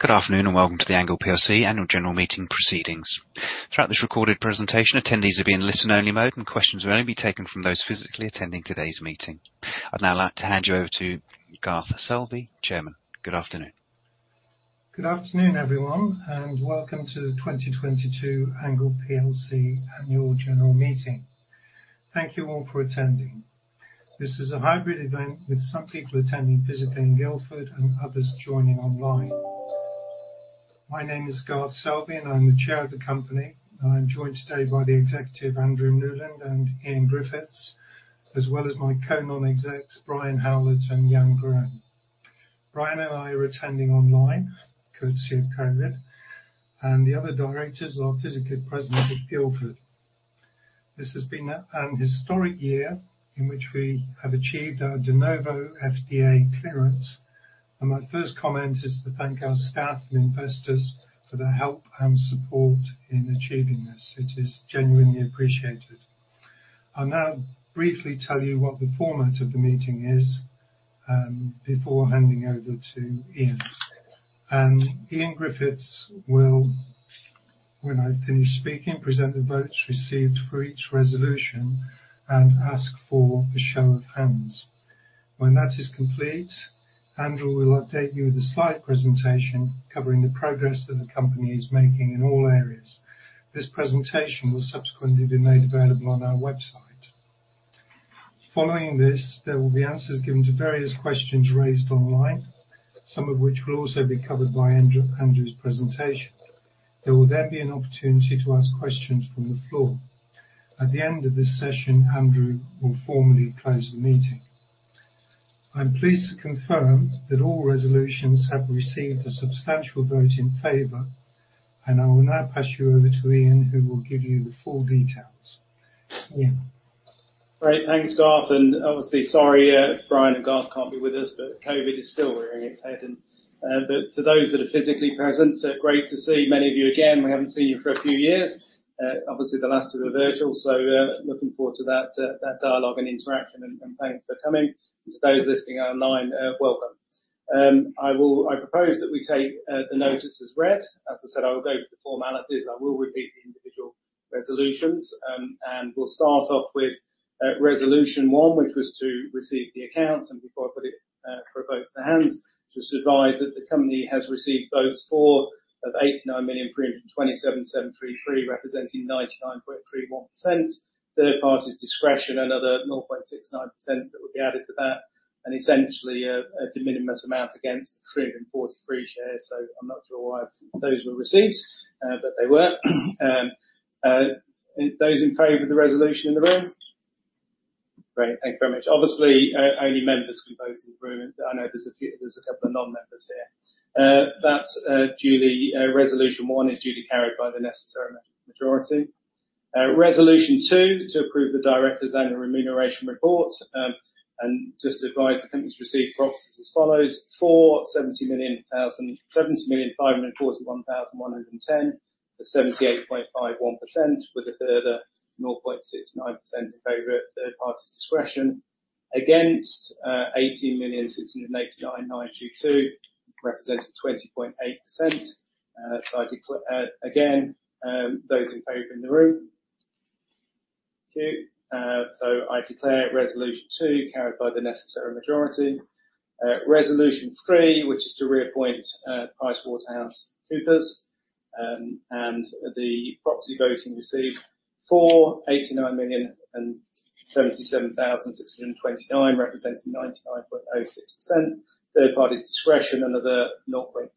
Good afternoon, and welcome to the ANGLE plc annual general meeting proceedings. Throughout this recorded presentation, attendees will be in listen-only mode, and questions will only be taken from those physically attending today's meeting. I'd now like to hand you over to Garth Selvey, Chairman. Good afternoon. Good afternoon, everyone, and welcome to the 2022 ANGLE plc annual general meeting. Thank you all for attending. This is a hybrid event with some people attending physically in Guildford and others joining online. My name is Garth Selvey, and I'm the chair of the company. I'm joined today by the executive, Andrew Newland and Ian Griffiths, as well as my co-non-execs, Brian Howlett and Jan Groen. Brian and I are attending online courtesy of COVID, and the other directors are physically present at Guildford. This has been a historic year in which we have achieved our de novo FDA clearance. My first comment is to thank our staff and investors for their help and support in achieving this. It is genuinely appreciated. I'll now briefly tell you what the format of the meeting is before handing over to Ian. Ian Griffiths will, when I finish speaking, present the votes received for each resolution and ask for a show of hands. When that is complete, Andrew will update you with a slide presentation covering the progress that the company is making in all areas. This presentation will subsequently be made available on our website. Following this, there will be answers given to various questions raised online, some of which will also be covered by Andrew's presentation. There will then be an opportunity to ask questions from the floor. At the end of this session, Andrew will formally close the meeting. I'm pleased to confirm that all resolutions have received a substantial vote in favor, and I will now pass you over to Ian, who will give you the full details. Ian. Great. Thanks, Garth. Obviously sorry, Brian and Garth can't be with us, but COVID is still rearing its head. To those that are physically present, great to see many of you again. We haven't seen you for a few years. Obviously the last of the virtual, so looking forward to that dialogue and interaction, and thank you for coming. To those listening online, welcome. I propose that we take the notices read. As I said, I will go through the formalities. I will repeat the individual resolutions. We'll start off with resolution one, which was to receive the accounts. Before I put it for a vote of the hands, just advise that the company has received votes for of 89,327,733, representing 99.31%. Third party's discretion, another 0.69% that will be added to that. And essentially a de minimis amount against 343 shares. I'm not sure why those were received, but they were. Those in favor of the resolution in the room? Great. Thank you very much. Obviously, only members can vote in the room. I know there's a couple of non-members here. That's duly resolution one is duly carried by the necessary majority. Resolution two, to approve the directors' own remuneration report. Just to advise, the company's received proxies as follows: for 70,541,110 for 78.51%, with a further 0.69% in favor at third party's discretion. Against, 18,689,922, representing 20.8%. Those in favor in the room? Thank you. I declare resolution two carried by the necessary majority. Resolution three, which is to reappoint PricewaterhouseCoopers. The proxy voting received for 89,077,629, representing 99.06%. Third party's discretion, another 0.69%.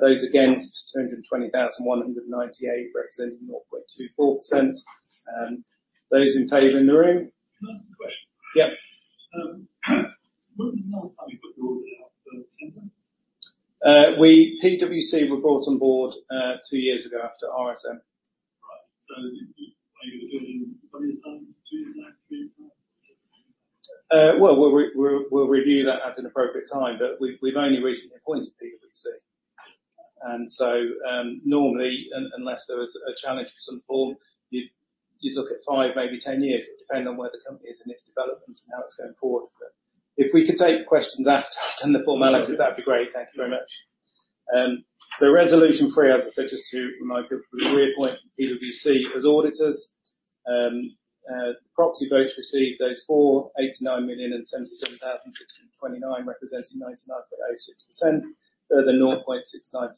Those against, 220,198, representing 0.24%. Those in favor in the room? Can I ask a question? Yeah. When was the last time you brought them up for tender? PwC were brought on board two years ago after RSM. Right. When are you doing? When is that? Two years time, three years time? Well, we'll review that at an appropriate time. We've only recently appointed PwC. Normally, unless there was a challenge of some form, you'd look at five, maybe 10 years. It would depend on where the company is in its development and how it's going forward. If we could take questions after the formalities, that'd be great. Thank you very much. Resolution three, as I said, just to remind people, to reappoint PwC as auditors. Proxy votes received, those for 89,077,629, representing 99.06%. Further, 0.69%,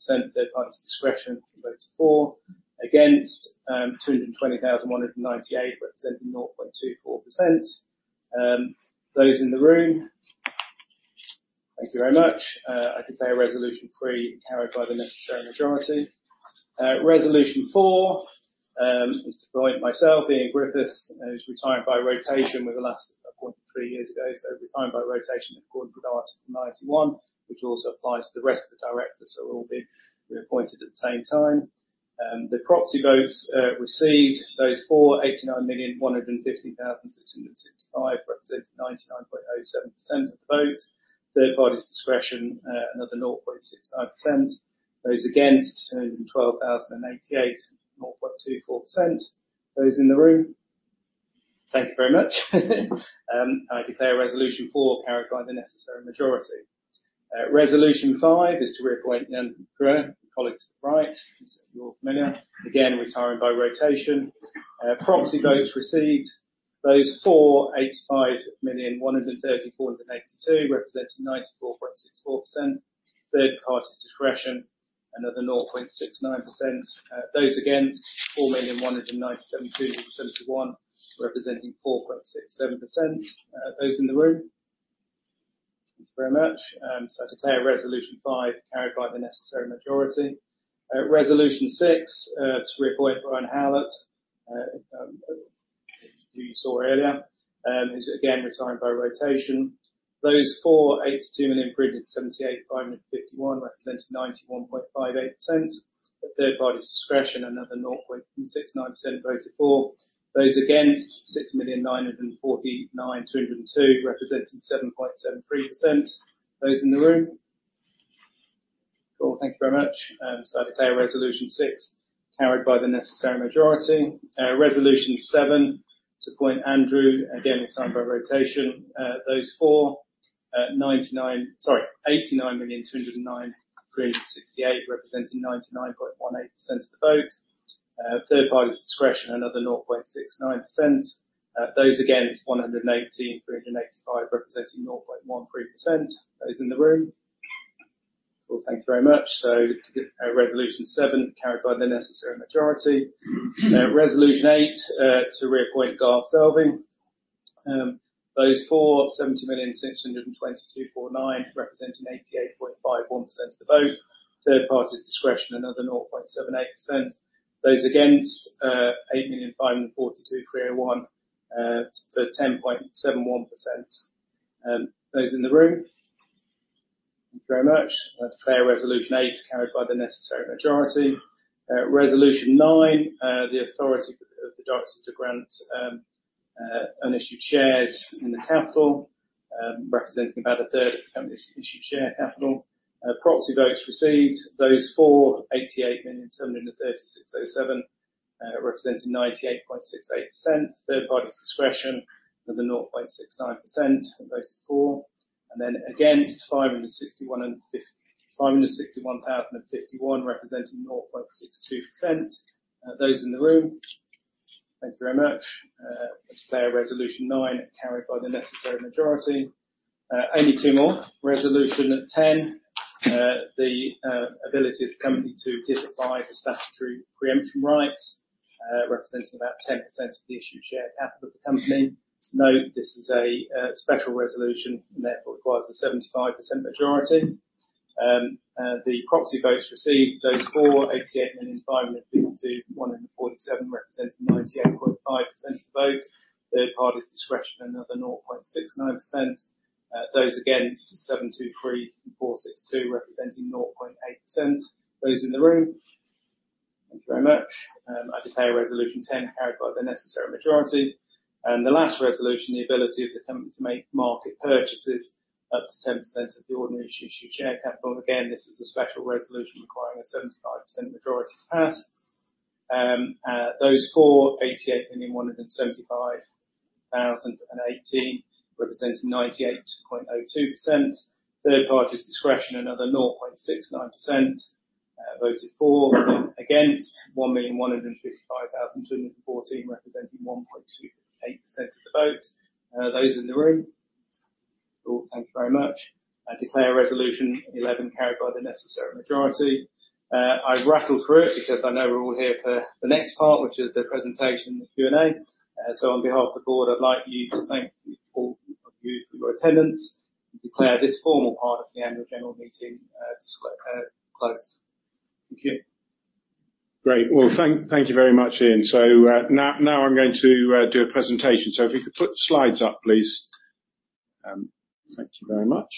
third party's discretion who voted for. Against, 220,198, representing 0.24%. Those in the room? Thank you very much. I declare resolution three carried by the necessary majority. Resolution four is to appoint myself, Ian Griffiths, who's retired by rotation. We were last appointed three years ago, so retired by rotation in accordance with Article 91, which also applies to the rest of the directors who have all been appointed at the same time. The proxy votes received, those for 89,150,665, representing 99.07% of the votes. Third party's discretion, another 0.69%. Those against, 212,088, 0.24%. Those in the room. Thank you very much. I declare resolution four carried by the necessary majority. Resolution five is to reappoint Nimesh Patel, your colleague to the right, I'm sure you're familiar. Again, retiring by rotation. Proxy votes received. Those for, 85,134,082 representing 94.64%. Third party's discretion, another 0.69%. Those against, 4,197,201 representing 4.67%. Those in the room. I declare resolution five carried by the necessary majority. Resolution six, to reappoint Brian Howlett, who you saw earlier, who's again retiring by rotation. Those for, 82,378,551 representing 91.58%. The third party's discretion, another 0.69% votes for. Those against, 6,949,202 representing 7.73%. Those in the room. Cool. Thank you very much. I declare resolution six carried by the necessary majority. Resolution seven, to appoint Andrew, again, retiring by rotation. Those for, eighty-nine million, two hundred and nine, three hundred and sixty-eight, representing 99.18% of the vote. Third party's discretion, another 0.69%. Those against, one hundred and eighteen, three hundred and eighty-five, representing 0.13%. Those in the room. Cool. Thank you very much. Resolution seven carried by the necessary majority. Resolution eight, to reappoint Garth Selvey. Those for, seventy million, six hundred and twenty-two, four hundred and nine, representing 88.51% of the vote. Third party's discretion, another 0.78%. Those against, eight million, five hundred and forty-two, three hundred and one, for 10.71%. Those in the room. Thank you very much. I declare resolution eight carried by the necessary majority. Resolution nine, the authority of the directors to grant unissued shares in the capital, representing about a third of the company's issued share capital. Proxy votes received. Those for, 88,736,007, representing 98.68%. Third party's discretion, another 0.69% who voted for. Then against, 561,051, representing 0.62%. Those in the room. Thank you very much. I declare resolution nine carried by the necessary majority. Only two more. Resolution ten, the ability of the company to disapply the statutory preemption rights, representing about 10% of the issued share capital of the company. Note this is a special resolution and therefore requires a 75% majority. The proxy votes received. Those for, 88,552,147, representing 98.5% of the vote. Third party's discretion, another 0.69%. Those against, 723,462, representing 0.8%. Those in the room. Thank you very much. I declare resolution ten carried by the necessary majority. The last resolution, the ability of the company to make market purchases up to 10% of the ordinary issued share capital. Again, this is a special resolution requiring a 75% majority to pass. Those for, 88,175,018, representing 98.02%. Third party's discretion, another 0.69%, voted for. Against, 1,155,214, representing 1.28% of the vote. Those in the room. Cool. Thank you very much. I declare resolution 11 carried by the necessary majority. I've rattled through it because I know we're all here for the next part, which is the presentation Q&A. On behalf of the board, I'd like you to thank all of you for your attendance and declare this formal part of the annual general meeting closed. Thank you. Great. Well, thank you very much, Ian. Now I'm going to do a presentation. If you could put the slides up, please. Thank you very much.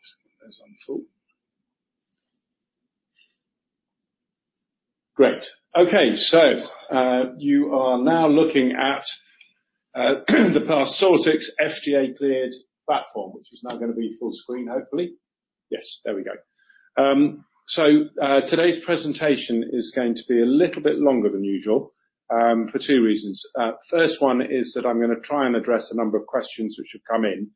Just get those on full. Great. Okay. You are now looking at the Parsortix FDA-cleared platform, which is now gonna be full screen, hopefully. Yes, there we go. Today's presentation is going to be a little bit longer than usual, for two reasons. First one is that I'm gonna try and address a number of questions which have come in,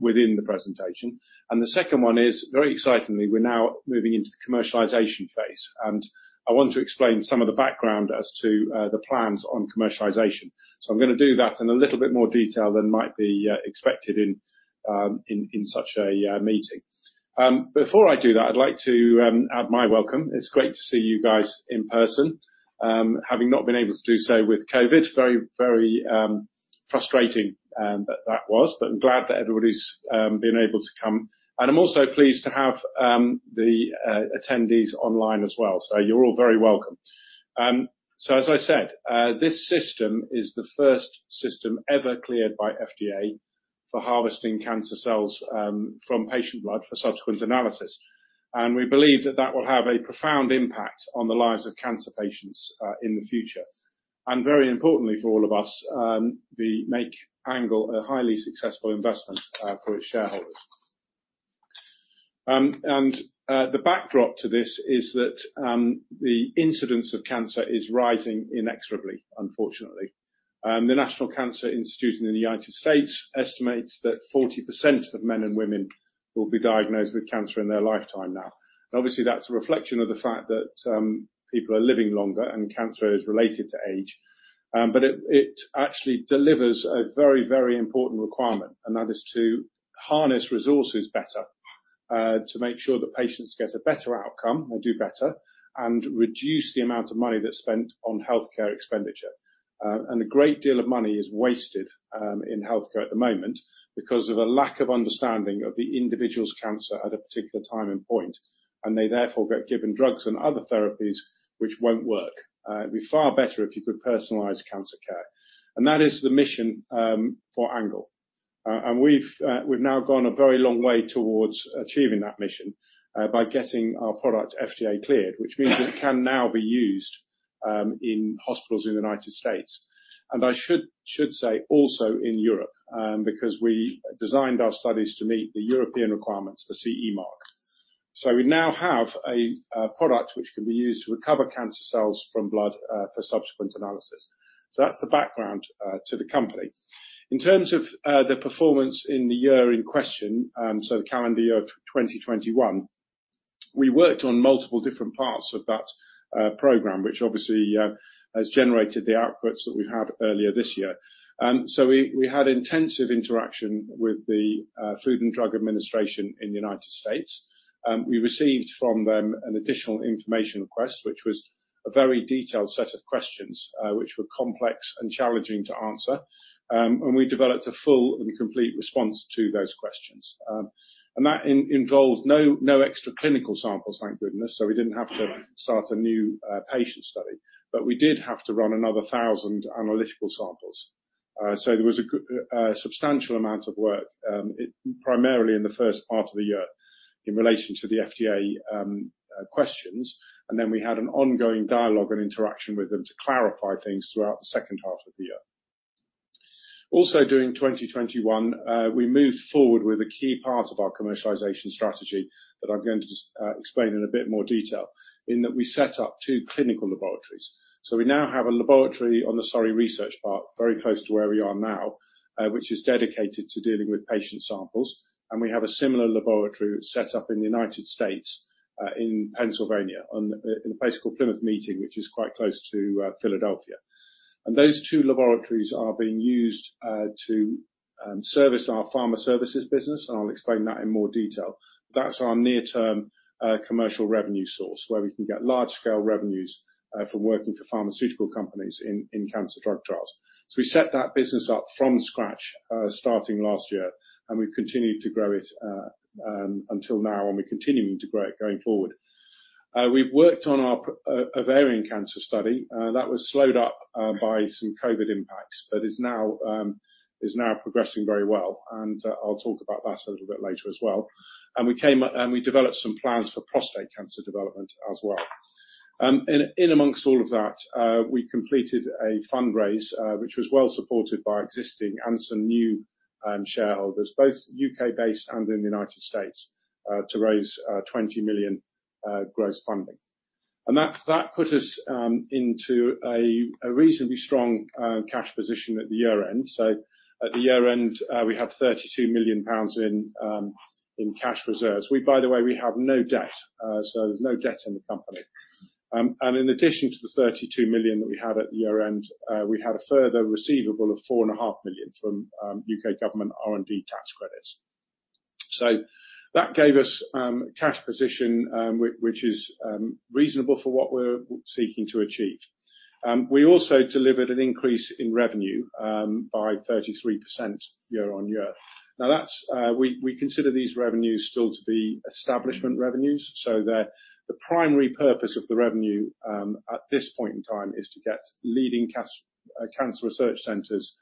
within the presentation. The second one is, very excitingly, we're now moving into the commercialization phase, and I want to explain some of the background as to the plans on commercialization. I'm gonna do that in a little bit more detail than might be expected in such a meeting. Before I do that, I'd like to add my welcome. It's great to see you guys in person, having not been able to do so with COVID. Very frustrating that was, but I'm glad that everybody's been able to come. I'm also pleased to have the attendees online as well. You're all very welcome. As I said, this system is the first system ever cleared by FDA for harvesting cancer cells from patient blood for subsequent analysis. We believe that will have a profound impact on the lives of cancer patients in the future. Very importantly for all of us, make ANGLE a highly successful investment for its shareholders. The backdrop to this is that the incidence of cancer is rising inexorably, unfortunately. The National Cancer Institute in the United States estimates that 40% of men and women will be diagnosed with cancer in their lifetime now. Obviously, that's a reflection of the fact that people are living longer and cancer is related to age. It actually delivers a very, very important requirement, and that is to harness resources better to make sure that patients get a better outcome or do better, and reduce the amount of money that's spent on healthcare expenditure. A great deal of money is wasted in healthcare at the moment because of a lack of understanding of the individual's cancer at a particular time and point, and they therefore get given drugs and other therapies which won't work. It'd be far better if you could personalize cancer care. That is the mission for ANGLE. We've now gone a very long way towards achieving that mission by getting our product FDA cleared, which means it can now be used in hospitals in the United States. I should say also in Europe because we designed our studies to meet the European requirements for CE mark. We now have a product which can be used to recover cancer cells from blood for subsequent analysis. That's the background to the company. In terms of the performance in the year in question, the calendar year of 2021, we worked on multiple different parts of that program, which obviously has generated the outputs that we had earlier this year. We had intensive interaction with the Food and Drug Administration in the United States. We received from them an additional information request, which was a very detailed set of questions, which were complex and challenging to answer. We developed a full and complete response to those questions. That involved no extra clinical samples, thank goodness, so we didn't have to start a new patient study. We did have to run another 1,000 analytical samples. There was a substantial amount of work, primarily in the first part of the year in relation to the FDA questions, and then we had an ongoing dialogue and interaction with them to clarify things throughout the second half of the year. Also during 2021, we moved forward with a key part of our commercialization strategy that I'm going to explain in a bit more detail, in that we set up two clinical laboratories. We now have a laboratory on the Surrey Research Park, very close to where we are now, which is dedicated to dealing with patient samples, and we have a similar laboratory set up in the United States, in Pennsylvania, in a place called Plymouth Meeting, which is quite close to Philadelphia. Those two laboratories are being used to service our pharma services business, and I'll explain that in more detail. That's our near-term commercial revenue source, where we can get large-scale revenues from working for pharmaceutical companies in cancer drug trials. We set that business up from scratch starting last year, and we've continued to grow it until now, and we're continuing to grow it going forward. We've worked on our ovarian cancer study that was slowed up by some COVID impacts, but is now progressing very well, and I'll talk about that a little bit later as well. We developed some plans for prostate cancer development as well. In amongst all of that, we completed a fundraise which was well supported by existing and some new shareholders, both UK-based and in the United States, to raise 20 million gross funding. That put us into a reasonably strong cash position at the year-end. At the year-end, we had 32 million pounds in cash reserves. By the way, we have no debt. There's no debt in the company. In addition to the 32 million that we had at the year-end, we had a further receivable of 4.5 million from UK government R&D tax credits. That gave us cash position which is reasonable for what we're seeking to achieve. We also delivered an increase in revenue by 33% year-on-year. Now that's, we consider these revenues still to be establishment revenues, so the primary purpose of the revenue at this point in time is to get leading cancer research centers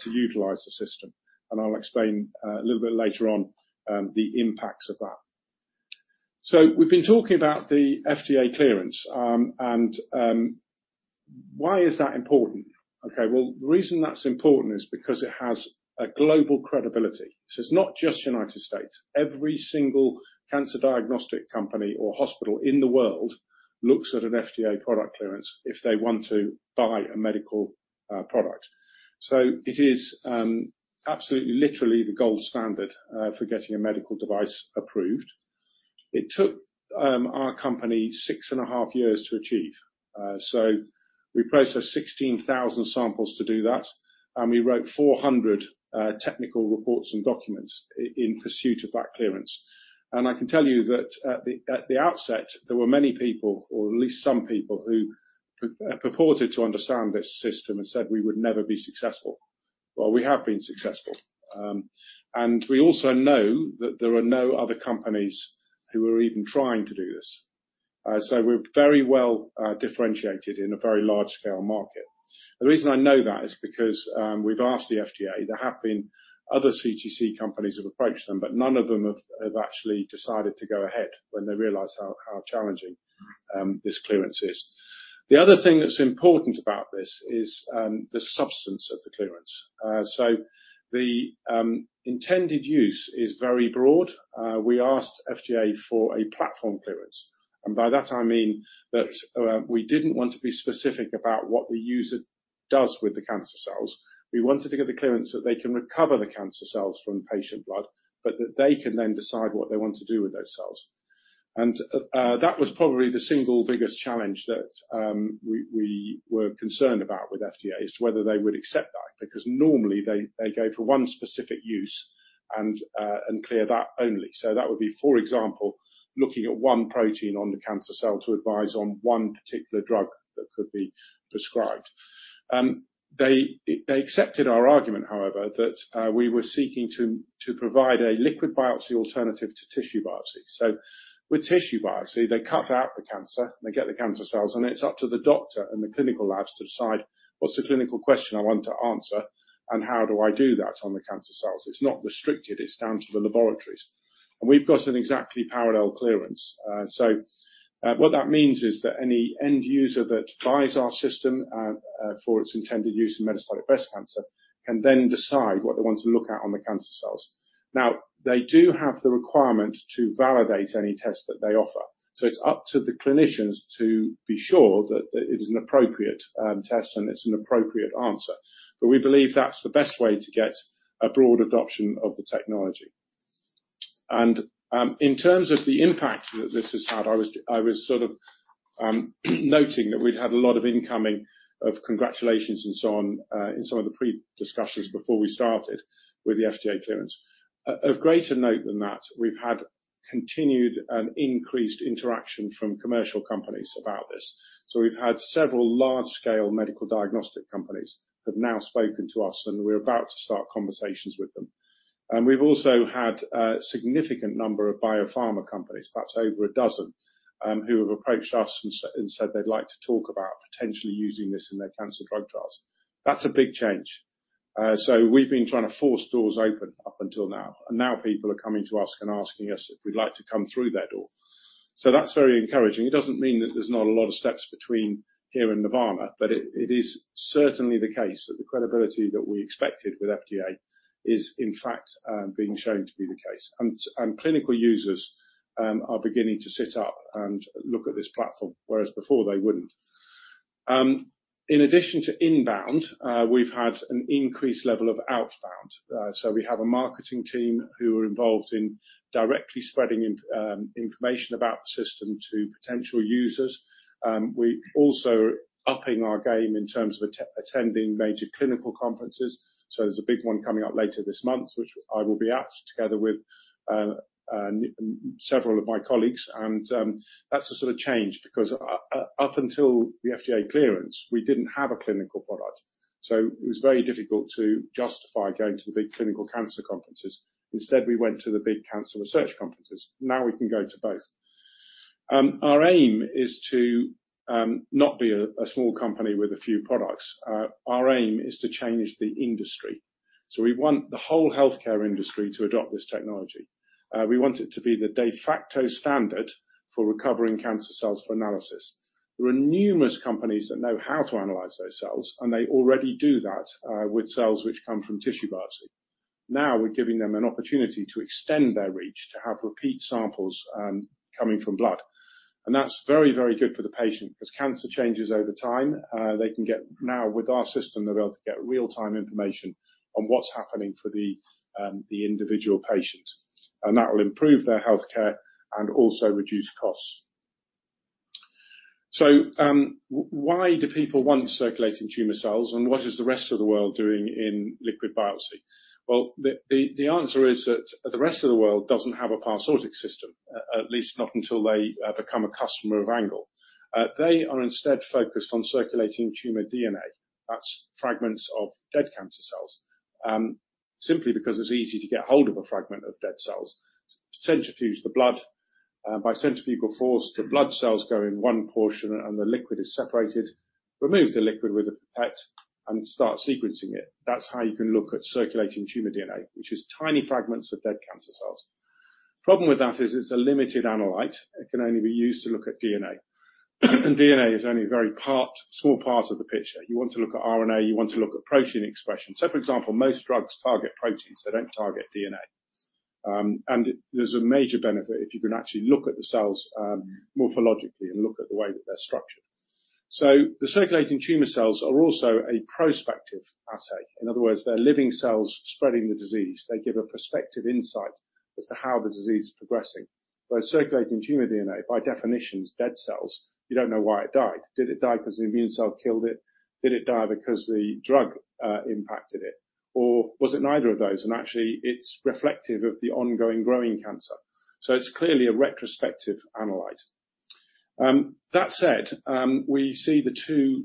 to utilize the system. I'll explain a little bit later on the impacts of that. We've been talking about the FDA clearance, and why is that important? Okay, well, the reason that's important is because it has a global credibility. This is not just United States. Every single cancer diagnostic company or hospital in the world looks at an FDA product clearance if they want to buy a medical product. It is absolutely, literally the gold standard for getting a medical device approved. It took our company six and a half years to achieve. We processed 16,000 samples to do that, and we wrote 400 technical reports and documents in pursuit of that clearance. I can tell you that at the outset, there were many people, or at least some people, who purported to understand this system and said we would never be successful. Well, we have been successful. We also know that there are no other companies who are even trying to do this. We're very well differentiated in a very large-scale market. The reason I know that is because we've asked the FDA. There have been other CTC companies who have approached them, but none of them have actually decided to go ahead when they realized how challenging this clearance is. The other thing that's important about this is the substance of the clearance. The intended use is very broad. We asked FDA for a platform clearance. By that I mean that we didn't want to be specific about what the user does with the cancer cells. We wanted to get the clearance that they can recover the cancer cells from patient blood, but that they can then decide what they want to do with those cells. That was probably the single biggest challenge that we were concerned about with FDA is whether they would accept that. Because normally they go for one specific use and clear that only. That would be, for example, looking at one protein on the cancer cell to advise on one particular drug that could be prescribed. They accepted our argument, however, that we were seeking to provide a liquid biopsy alternative to tissue biopsy. With tissue biopsy, they cut out the cancer, they get the cancer cells, and it's up to the doctor and the clinical labs to decide what's the clinical question I want to answer and how do I do that on the cancer cells. It's not restricted, it's down to the laboratories. We've got an exactly parallel clearance. What that means is that any end user that buys our system for its intended use in metastatic breast cancer can then decide what they want to look at on the cancer cells. Now, they do have the requirement to validate any test that they offer, so it's up to the clinicians to be sure that it is an appropriate test and it's an appropriate answer. We believe that's the best way to get a broad adoption of the technology. In terms of the impact that this has had, I was sort of noting that we'd had a lot of incoming of congratulations and so on in some of the pre-discussions before we started with the FDA clearance. Of greater note than that, we've had continued and increased interaction from commercial companies about this. We've had several large-scale medical diagnostic companies have now spoken to us, and we're about to start conversations with them. We've also had a significant number of biopharma companies, perhaps over a dozen, who have approached us and said they'd like to talk about potentially using this in their cancer drug trials. That's a big change. We've been trying to force doors open up until now, and now people are coming to us and asking us if we'd like to come through that door. That's very encouraging. It doesn't mean that there's not a lot of steps between here and Nirvana, but it is certainly the case that the credibility that we expected with FDA is in fact, being shown to be the case. Clinical users are beginning to sit up and look at this platform, whereas before they wouldn't. In addition to inbound, we've had an increased level of outbound. We have a marketing team who are involved in directly spreading in information about the system to potential users. We also upping our game in terms of attending major clinical conferences. There's a big one coming up later this month, which I will be at together with several of my colleagues. That's a sort of change because up until the FDA clearance, we didn't have a clinical product. It was very difficult to justify going to the big clinical cancer conferences. Instead, we went to the big cancer research conferences. Now we can go to both. Our aim is to not be a small company with a few products. Our aim is to change the industry. We want the whole healthcare industry to adopt this technology. We want it to be the de facto standard for recovering cancer cells for analysis. There are numerous companies that know how to analyze those cells, and they already do that with cells which come from tissue biopsy. Now we're giving them an opportunity to extend their reach, to have repeat samples coming from blood. That's very, very good for the patient because cancer changes over time. They can get now with our system, they'll be able to get real-time information on what's happening for the individual patient, and that will improve their healthcare and also reduce costs. Why do people want circulating tumor cells, and what is the rest of the world doing in liquid biopsy? Well, the answer is that the rest of the world doesn't have a Parsortix system, at least not until they become a customer of ANGLE. They are instead focused on circulating tumor DNA. That's fragments of dead cancer cells, simply because it's easy to get hold of a fragment of dead cells. Centrifuge the blood. By centrifugal force, the blood cells go in one portion and the liquid is separated, remove the liquid with a pipette and start sequencing it. That's how you can look at circulating tumor DNA, which is tiny fragments of dead cancer cells. Problem with that is it's a limited analyte. It can only be used to look at DNA, and DNA is only a very small part of the picture. You want to look at RNA, you want to look at protein expression. For example, most drugs target proteins. They don't target DNA. There's a major benefit if you can actually look at the cells, morphologically and look at the way that they're structured. The circulating tumor cells are also a prospective assay. In other words, they're living cells spreading the disease. They give a prospective insight as to how the disease is progressing. Whereas circulating tumor DNA by definition is dead cells, you don't know why it died. Did it die because the immune cell killed it? Did it die because the drug impacted it? Or was it neither of those, and actually it's reflective of the ongoing growing cancer? It's clearly a retrospective analyte. That said, we see the two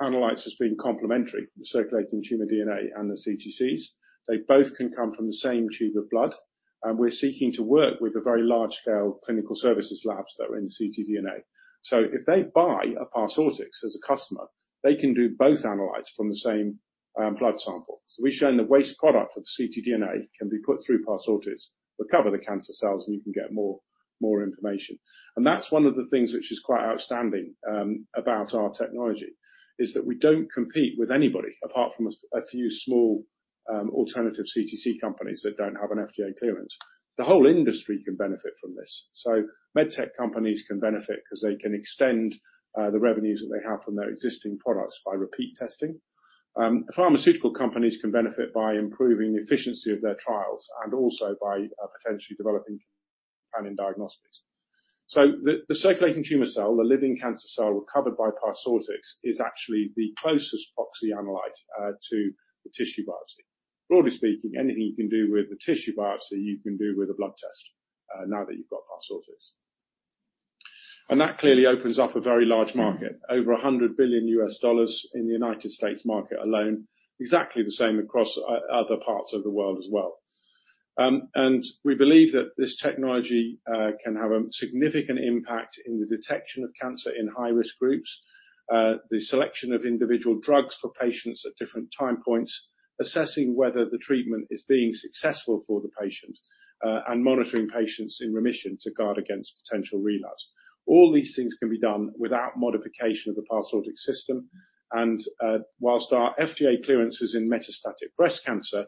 analytes as being complementary, the circulating tumor DNA and the CTCs. They both can come from the same tube of blood. We're seeking to work with the very large-scale clinical services labs that are in ctDNA. If they buy a Parsortix as a customer, they can do both analytes from the same blood sample. We've shown the waste product of ctDNA can be put through Parsortix, recover the cancer cells, and you can get more information. That's one of the things which is quite outstanding about our technology, is that we don't compete with anybody, apart from a few small alternative CTC companies that don't have an FDA clearance. The whole industry can benefit from this. Med tech companies can benefit 'cause they can extend the revenues that they have from their existing products by repeat testing. Pharmaceutical companies can benefit by improving the efficiency of their trials and also by potentially developing and in diagnostics. The circulating tumor cell, the living cancer cell recovered by Parsortix, is actually the closest proxy analyte to the tissue biopsy. Broadly speaking, anything you can do with a tissue biopsy, you can do with a blood test now that you've got Parsortix. That clearly opens up a very large market, over $100 billion in the United States market alone. Exactly the same across other parts of the world as well. We believe that this technology can have a significant impact in the detection of cancer in high-risk groups, the selection of individual drugs for patients at different time points, assessing whether the treatment is being successful for the patient, and monitoring patients in remission to guard against potential relapse. All these things can be done without modification of the Parsortix system. While our FDA clearance is in metastatic breast cancer,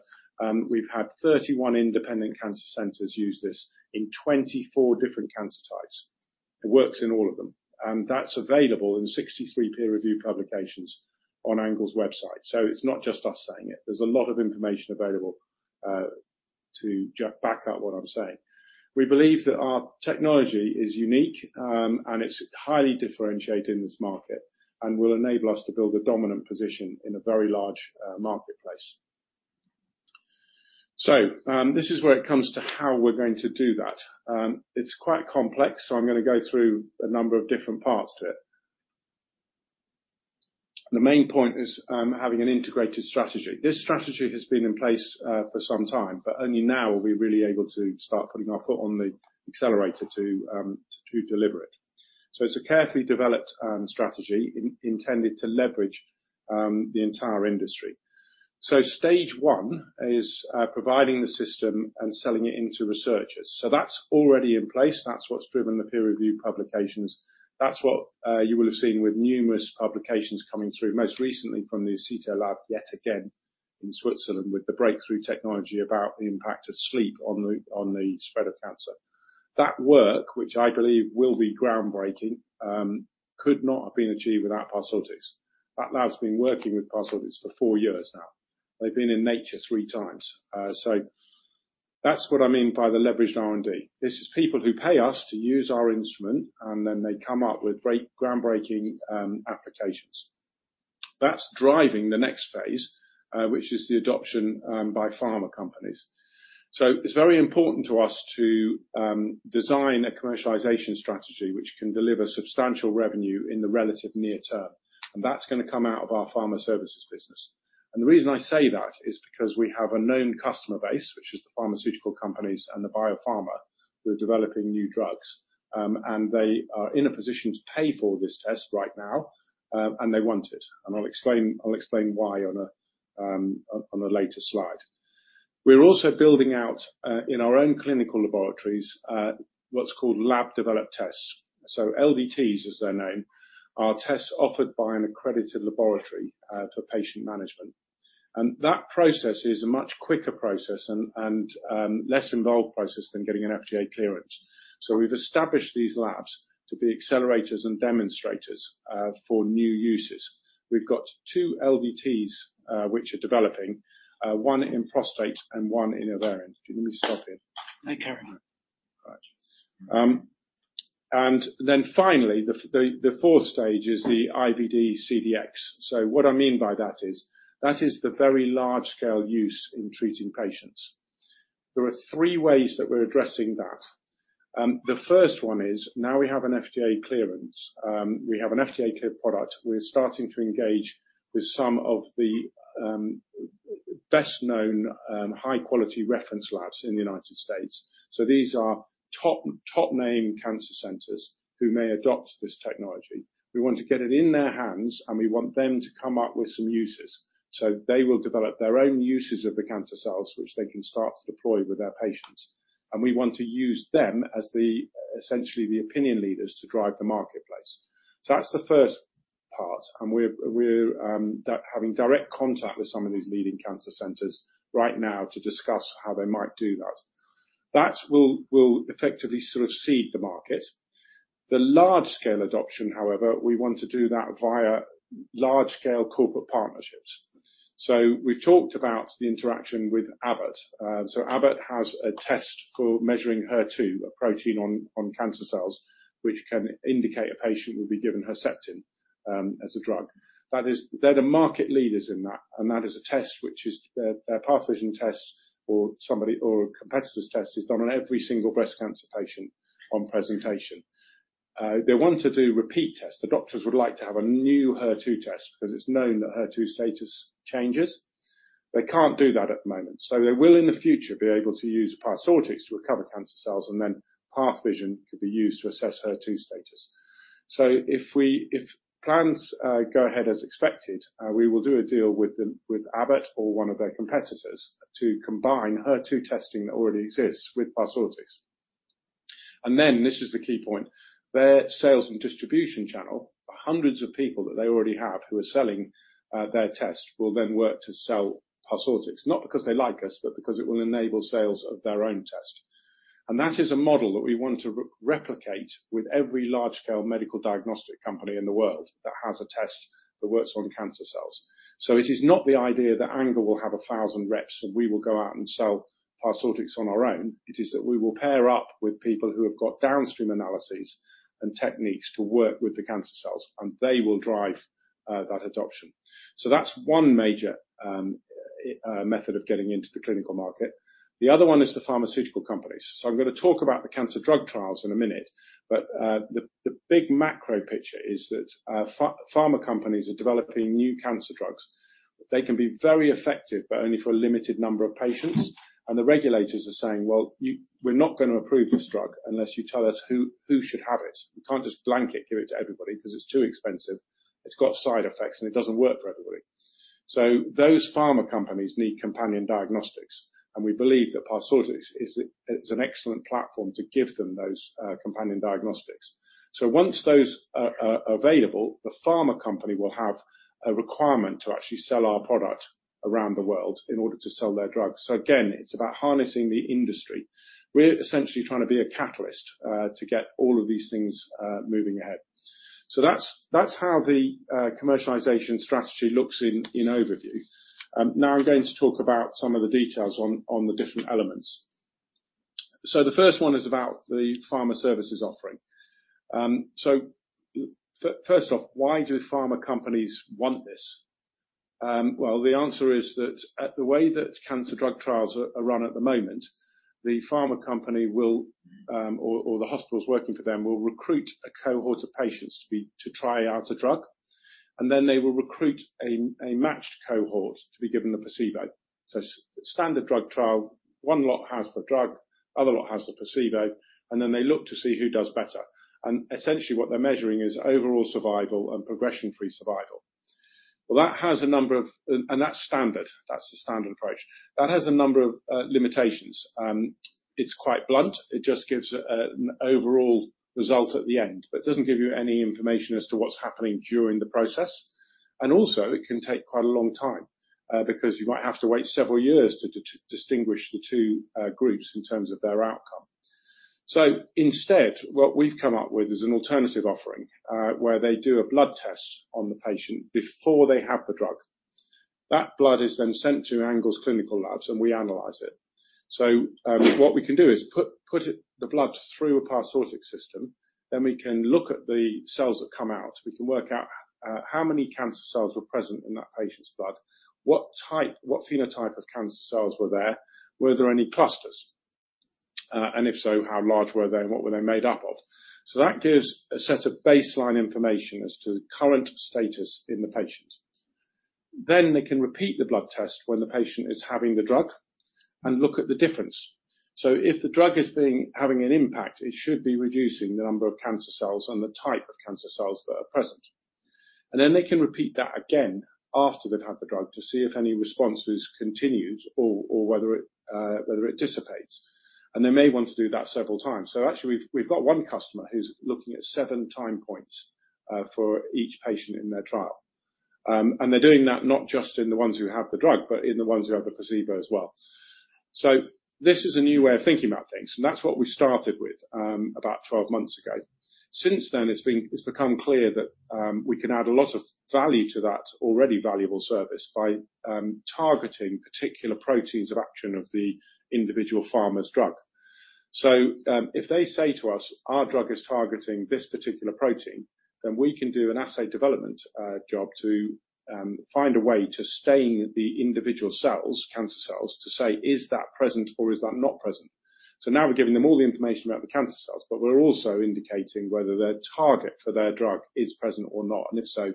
we've had 31 independent cancer centers use this in 24 different cancer types. It works in all of them. That's available in 63 peer-reviewed publications on Angle's website. It's not just us saying it. There's a lot of information available to back up what I'm saying. We believe that our technology is unique, and it's highly differentiated in this market and will enable us to build a dominant position in a very large marketplace. This is where it comes to how we're going to do that. It's quite complex, so I'm gonna go through a number of different parts to it. The main point is having an integrated strategy. This strategy has been in place for some time, but only now are we really able to start putting our foot on the accelerator to deliver it. It's a carefully developed strategy intended to leverage the entire industry. Stage one is providing the system and selling it into researchers. That's already in place. That's what's driven the peer review publications. That's what you will have seen with numerous publications coming through, most recently from the Aceto Lab, yet again in Switzerland, with the breakthrough technology about the impact of sleep on the spread of cancer. That work, which I believe will be groundbreaking, could not have been achieved without Parsortix. That lab's been working with Parsortix for four years now. They've been in Nature three times. So that's what I mean by the leveraged R&D. This is people who pay us to use our instrument, and then they come up with groundbreaking applications. That's driving the next phase, which is the adoption by pharma companies. It's very important to us to design a commercialization strategy which can deliver substantial revenue in the relatively near term, and that's gonna come out of our pharma services business. The reason I say that is because we have a known customer base, which is the pharmaceutical companies and the biopharma who are developing new drugs, and they are in a position to pay for this test right now, and they want it. I'll explain why on a later slide. We're also building out in our own clinical laboratories what's called lab-developed tests. LDTs, as they're named, are tests offered by an accredited laboratory for patient management. That process is a much quicker process and less involved process than getting an FDA clearance. We've established these labs to be accelerators and demonstrators for new uses. We've got two LDTs which are developing, one in prostate and one in ovarian. Can you stop here? Okay. All right. Finally, the fourth stage is the IVD CDx. What I mean by that is, that is the very large-scale use in treating patients. There are three ways that we're addressing that. The first one is, now we have an FDA clearance, we have an FDA-cleared product, we're starting to engage with some of the best-known, high-quality reference labs in the United States. These are top-name cancer centers who may adopt this technology. We want to get it in their hands, and we want them to come up with some uses. They will develop their own uses of the cancer cells, which they can start to deploy with their patients. We want to use them as essentially the opinion leaders to drive the marketplace. That's the first part, and we're having direct contact with some of these leading cancer centers right now to discuss how they might do that. That will effectively sort of seed the market. The large-scale adoption, however, we want to do that via large-scale corporate partnerships. We've talked about the interaction with Abbott. Abbott has a test for measuring HER2, a protein on cancer cells, which can indicate a patient will be given Herceptin, as a drug. That is. They're the market leaders in that, and that is a test which is, their PathVysion test or somebody, or a competitor's test is done on every single breast cancer patient on presentation. They want to do repeat tests. The doctors would like to have a new HER2 test because it's known that HER2 status changes. They can't do that at the moment, so they will, in the future, be able to use Parsortix to recover cancer cells, and then PathVysion could be used to assess HER2 status. If plans go ahead as expected, we will do a deal with Abbott or one of their competitors to combine HER2 testing that already exists with Parsortix. Then, this is the key point, their sales and distribution channel, hundreds of people that they already have who are selling their tests, will then work to sell Parsortix. Not because they like us, but because it will enable sales of their own test. That is a model that we want to replicate with every large-scale medical diagnostic company in the world that has a test that works on cancer cells. It is not the idea that ANGLE will have 1,000 reps, and we will go out and sell Parsortix on our own. It is that we will pair up with people who have got downstream analyses and techniques to work with the cancer cells, and they will drive that adoption. That's one major method of getting into the clinical market. The other one is the pharmaceutical companies. I'm gonna talk about the cancer drug trials in a minute, but the big macro picture is that pharma companies are developing new cancer drugs. They can be very effective, but only for a limited number of patients. The regulators are saying, "Well, we're not gonna approve this drug unless you tell us who should have it. We can't just blanket give it to everybody 'cause it's too expensive, it's got side effects, and it doesn't work for everybody." Those pharma companies need companion diagnostics, and we believe that Parsortix is an excellent platform to give them those companion diagnostics. Once those are available, the pharma company will have a requirement to actually sell our product around the world in order to sell their drugs. Again, it's about harnessing the industry. We're essentially trying to be a catalyst to get all of these things moving ahead. That's how the commercialization strategy looks in overview. Now I'm going to talk about some of the details on the different elements. The first one is about the pharma services offering. First off, why do pharma companies want this? The answer is that in the way that cancer drug trials are run at the moment, the pharma company or the hospitals working for them will recruit a cohort of patients to try out a drug, and then they will recruit a matched cohort to be given the placebo. Standard drug trial, one lot has the drug, other lot has the placebo, and then they look to see who does better. Essentially, what they're measuring is overall survival and progression-free survival. That's standard. That's the standard approach. That has a number of limitations. It's quite blunt. It just gives an overall result at the end, but doesn't give you any information as to what's happening during the process. Also, it can take quite a long time, because you might have to wait several years to distinguish the two groups in terms of their outcome. Instead, what we've come up with is an alternative offering, where they do a blood test on the patient before they have the drug. That blood is then sent to ANGLE's clinical labs, and we analyze it. What we can do is put the blood through a Parsortix system, then we can look at the cells that come out. We can work out how many cancer cells were present in that patient's blood, what type, what phenotype of cancer cells were there, were there any clusters, and if so, how large were they and what were they made up of. That gives a set of baseline information as to the current status in the patient. They can repeat the blood test when the patient is having the drug and look at the difference. If the drug is having an impact, it should be reducing the number of cancer cells and the type of cancer cells that are present. They can repeat that again after they've had the drug to see if any response is continued or whether it dissipates. They may want to do that several times. Actually, we've got one customer who's looking at seven time points for each patient in their trial. And they're doing that not just in the ones who have the drug, but in the ones who have the placebo as well. This is a new way of thinking about things, and that's what we started with, about 12 months ago. Since then, it's become clear that we can add a lot of value to that already valuable service by targeting particular proteins of action of the individual pharma's drug. If they say to us, "Our drug is targeting this particular protein," then we can do an assay development job to find a way to stain the individual cells, cancer cells, to say, "Is that present or is that not present?" Now we're giving them all the information about the cancer cells, but we're also indicating whether their target for their drug is present or not, and if so,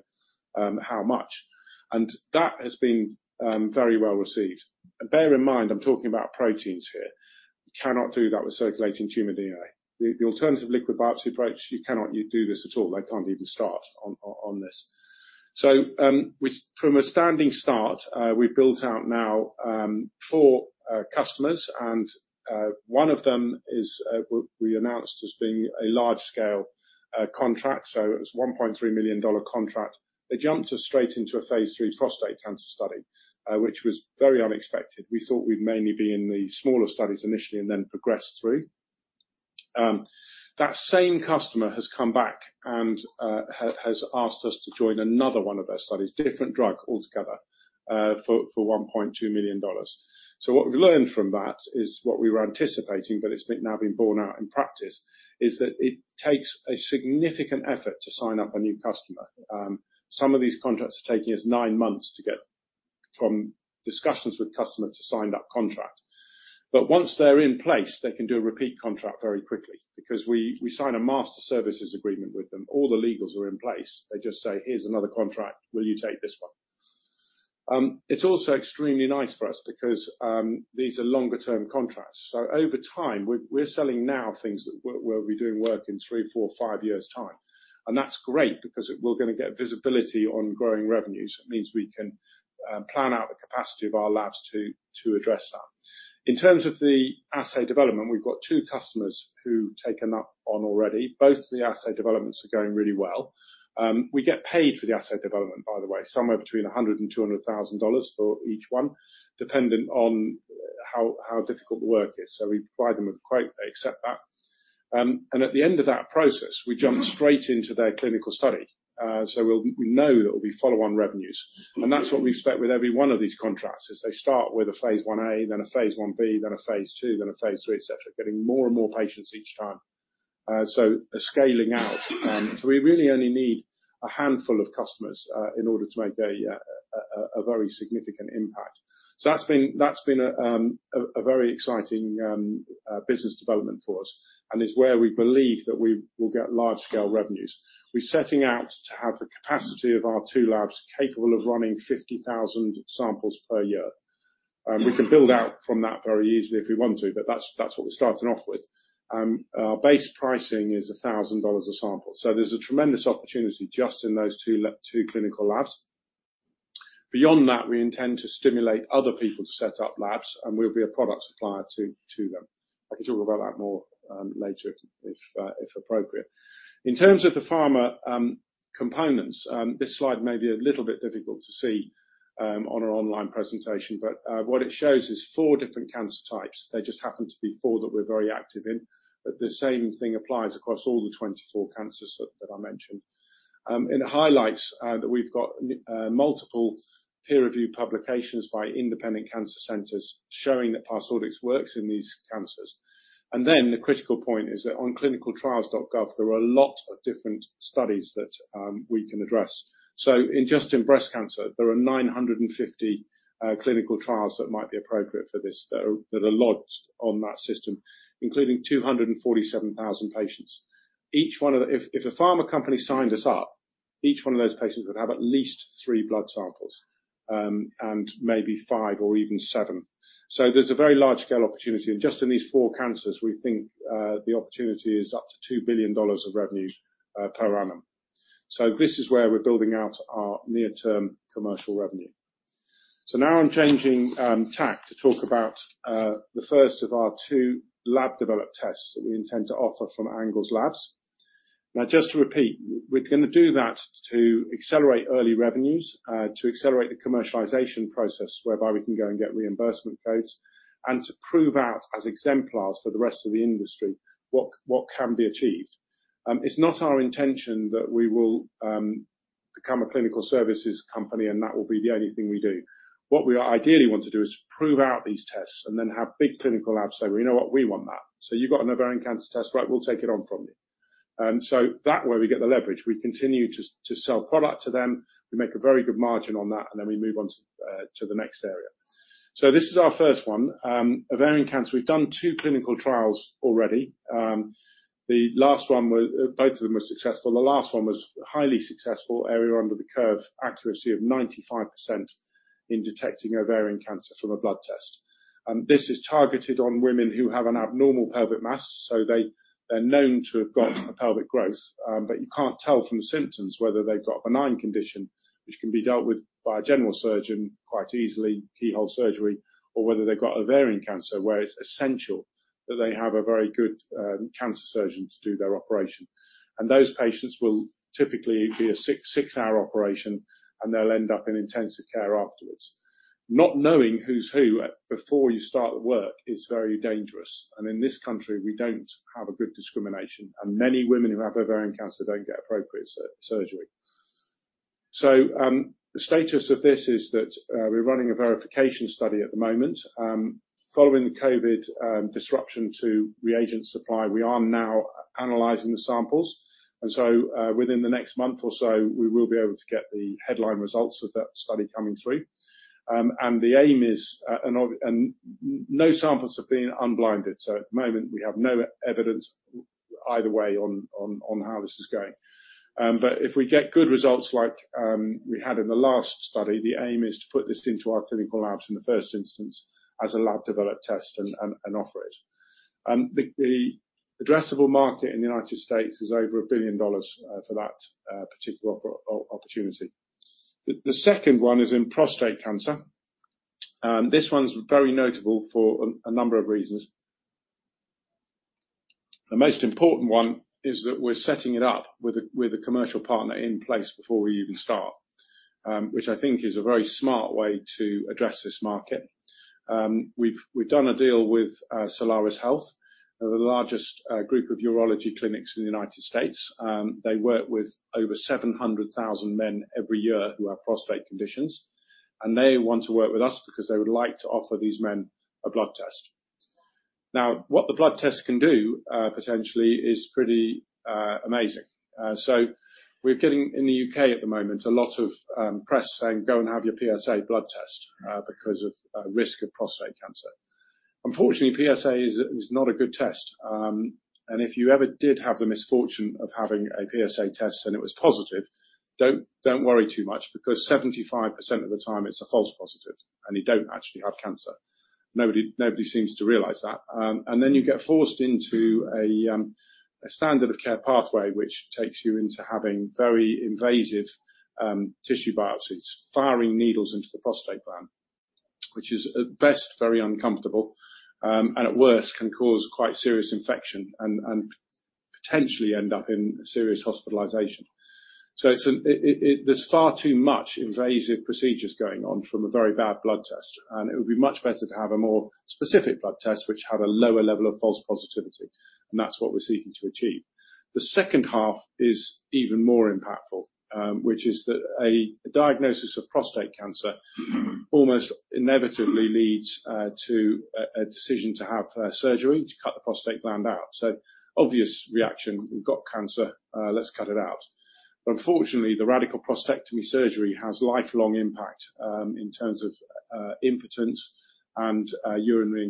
how much. That has been very well received. Bear in mind, I'm talking about proteins here. You cannot do that with circulating tumor DNA. The alternative liquid biopsy approach, you cannot do this at all. They can't even start on this. From a standing start, we've built out now four customers, and one of them is we announced as being a large-scale contract, so it was a $1.3 million contract. They jumped us straight into a Phase III prostate cancer study, which was very unexpected. We thought we'd mainly be in the smaller studies initially and then progress through. That same customer has come back and has asked us to join another one of their studies, different drug altogether, for $1.2 million. What we've learned from that is what we were anticipating, but it's now been born out in practice, is that it takes a significant effort to sign up a new customer. Some of these contracts are taking us nine months to get from discussions with customers to signed up contract. But once they're in place, they can do a repeat contract very quickly because we sign a master services agreement with them. All the legals are in place. They just say, "Here's another contract. Will you take this one?" It's also extremely nice for us because these are longer term contracts. Over time, we're selling now things that we're doing work in three, four, five years' time. That's great because we're gonna get visibility on growing revenues, so it means we can plan out the capacity of our labs to address that. In terms of the assay development, we've got two customers who've taken that on already. Both of the assay developments are going really well. We get paid for the assay development, by the way, somewhere between $100,000 and $200,000 for each one, depending on how difficult the work is. We provide them with a quote, they accept that. At the end of that process, we jump straight into their clinical study. We know that it'll be follow-on revenues. That's what we expect with every one of these contracts, is they start with a phase 1A, then a phase 1B, then a phase II, then a phase III, et cetera. Getting more and more patients each time. They're scaling out. We really only need a handful of customers in order to make a very significant impact. That's been a very exciting business development for us and is where we believe that we will get large scale revenues. We're setting out to have the capacity of our two labs capable of running 50,000 samples per year. We can build out from that very easily if we want to, but that's what we're starting off with. Our base pricing is $1,000 a sample. There's a tremendous opportunity just in those two clinical labs. Beyond that, we intend to stimulate other people to set up labs, and we'll be a product supplier to them. I can talk about that more later if appropriate. In terms of the pharma components, this slide may be a little bit difficult to see on our online presentation, but what it shows is four different cancer types. They just happen to be four that we're very active in. The same thing applies across all the 24 cancers that I mentioned. It highlights that we've got multiple peer review publications by independent cancer centers showing that Parsortix works in these cancers. Then the critical point is that on ClinicalTrials.gov, there are a lot of different studies that we can address. In just breast cancer, there are 950 clinical trials that might be appropriate for this that are logged on that system, including 247,000 patients. If a pharma company signed us up, each one of those patients would have at least three blood samples and maybe five or even seven. There's a very large scale opportunity. Just in these four cancers, we think the opportunity is up to $2 billion of revenue per annum. This is where we're building out our near-term commercial revenue. Now I'm changing tack to talk about the first of our two lab-developed tests that we intend to offer from ANGLE Labs. Now, just to repeat, we're gonna do that to accelerate early revenues, to accelerate the commercialization process whereby we can go and get reimbursement codes and to prove out as exemplars for the rest of the industry what can be achieved. It's not our intention that we will become a clinical services company, and that will be the only thing we do. What we ideally want to do is prove out these tests and then have big clinical labs say, "Well, you know what? We want that. So you've got an ovarian cancer test. Right, we'll take it on from you." That way we get the leverage. We continue to sell product to them. We make a very good margin on that, and then we move on to the next area. This is our first one, ovarian cancer. We've done two clinical trials already. Both of them were successful. The last one was highly successful. Area under the curve accuracy of 95% in detecting ovarian cancer from a blood test. This is targeted on women who have an abnormal pelvic mass, so they're known to have got a pelvic growth. But you can't tell from symptoms whether they've got a benign condition, which can be dealt with by a general surgeon quite easily, keyhole surgery, or whether they've got ovarian cancer, where it's essential that they have a very good cancer surgeon to do their operation. Those patients will typically be a six-hour operation, and they'll end up in intensive care afterwards. Not knowing who's who at before you start the work is very dangerous. In this country, we don't have a good discrimination. Many women who have ovarian cancer don't get appropriate surgery. The status of this is that we're running a verification study at the moment. Following the COVID disruption to reagent supply, we are now analyzing the samples. Within the next month or so, we will be able to get the headline results of that study coming through. The aim is, and no samples have been unblinded, so at the moment, we have no evidence either way on how this is going. But if we get good results like we had in the last study, the aim is to put this into our clinical labs in the first instance as a lab-developed test and offer it. The addressable market in the United States is over $1 billion for that particular opportunity. The second one is in prostate cancer. This one's very notable for a number of reasons. The most important one is that we're setting it up with a commercial partner in place before we even start, which I think is a very smart way to address this market. We've done a deal with Solaris Health, the largest group of urology clinics in the United States. They work with over 700,000 men every year who have prostate conditions, and they want to work with us because they would like to offer these men a blood test. Now, what the blood test can do potentially is pretty amazing. We're getting, in the UK at the moment, a lot of press saying, "Go and have your PSA blood test," because of risk of prostate cancer. Unfortunately, PSA is not a good test. If you ever did have the misfortune of having a PSA test and it was positive, don't worry too much because 75% of the time it's a false positive, and you don't actually have cancer. Nobody seems to realize that. You get forced into a standard of care pathway, which takes you into having very invasive tissue biopsies, firing needles into the prostate gland, which is, at best, very uncomfortable, and at worst can cause quite serious infection and potentially end up in serious hospitalization. There's far too much invasive procedures going on from a very bad blood test, and it would be much better to have a more specific blood test which had a lower level of false positivity, and that's what we're seeking to achieve. The second half is even more impactful, which is that a diagnosis of prostate cancer almost inevitably leads to a decision to have surgery to cut the prostate gland out. Obvious reaction. We've got cancer, let's cut it out. Unfortunately, the radical prostatectomy surgery has lifelong impact in terms of impotence and urinary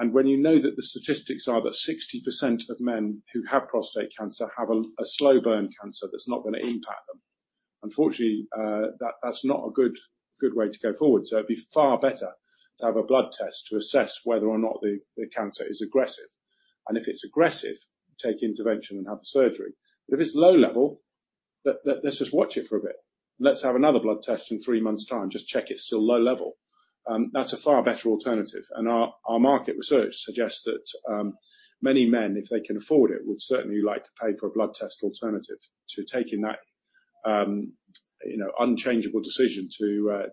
incontinence. When you know that the statistics are that 60% of men who have prostate cancer have a slow burn cancer that's not gonna impact them, unfortunately, that's not a good way to go forward. It'd be far better to have a blood test to assess whether or not the cancer is aggressive. If it's aggressive, take intervention and have the surgery. If it's low level, let's just watch it for a bit. Let's have another blood test in three months' time, just check it's still low level. That's a far better alternative, and our market research suggests that many men, if they can afford it, would certainly like to pay for a blood test alternative to taking that, you know, unchangeable decision to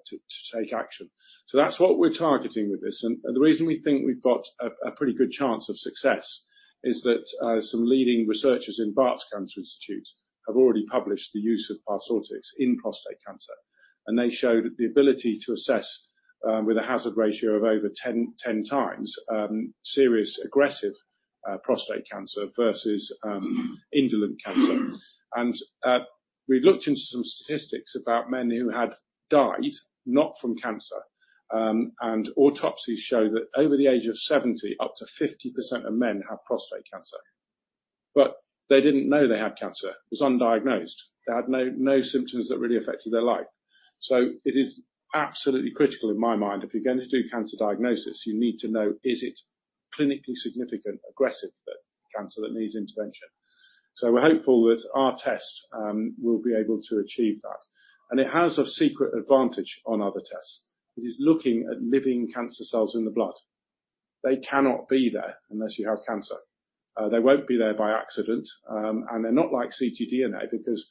take action. That's what we're targeting with this. The reason we think we've got a pretty good chance of success is that some leading researchers in Barts Cancer Institute have already published the use of Parsortix in prostate cancer, and they showed the ability to assess with a hazard ratio of over 10 times serious aggressive prostate cancer versus indolent cancer. We looked into some statistics about men who had died, not from cancer, and autopsies show that over the age of 70, up to 50% of men have prostate cancer. They didn't know they had cancer. It was undiagnosed. They had no symptoms that really affected their life. It is absolutely critical in my mind, if you're going to do cancer diagnosis, you need to know is it clinically significant, aggressive cancer that needs intervention. We're hopeful that our test will be able to achieve that. It has a secret advantage over other tests. It is looking at living cancer cells in the blood. They cannot be there unless you have cancer. They won't be there by accident, and they're not like ctDNA because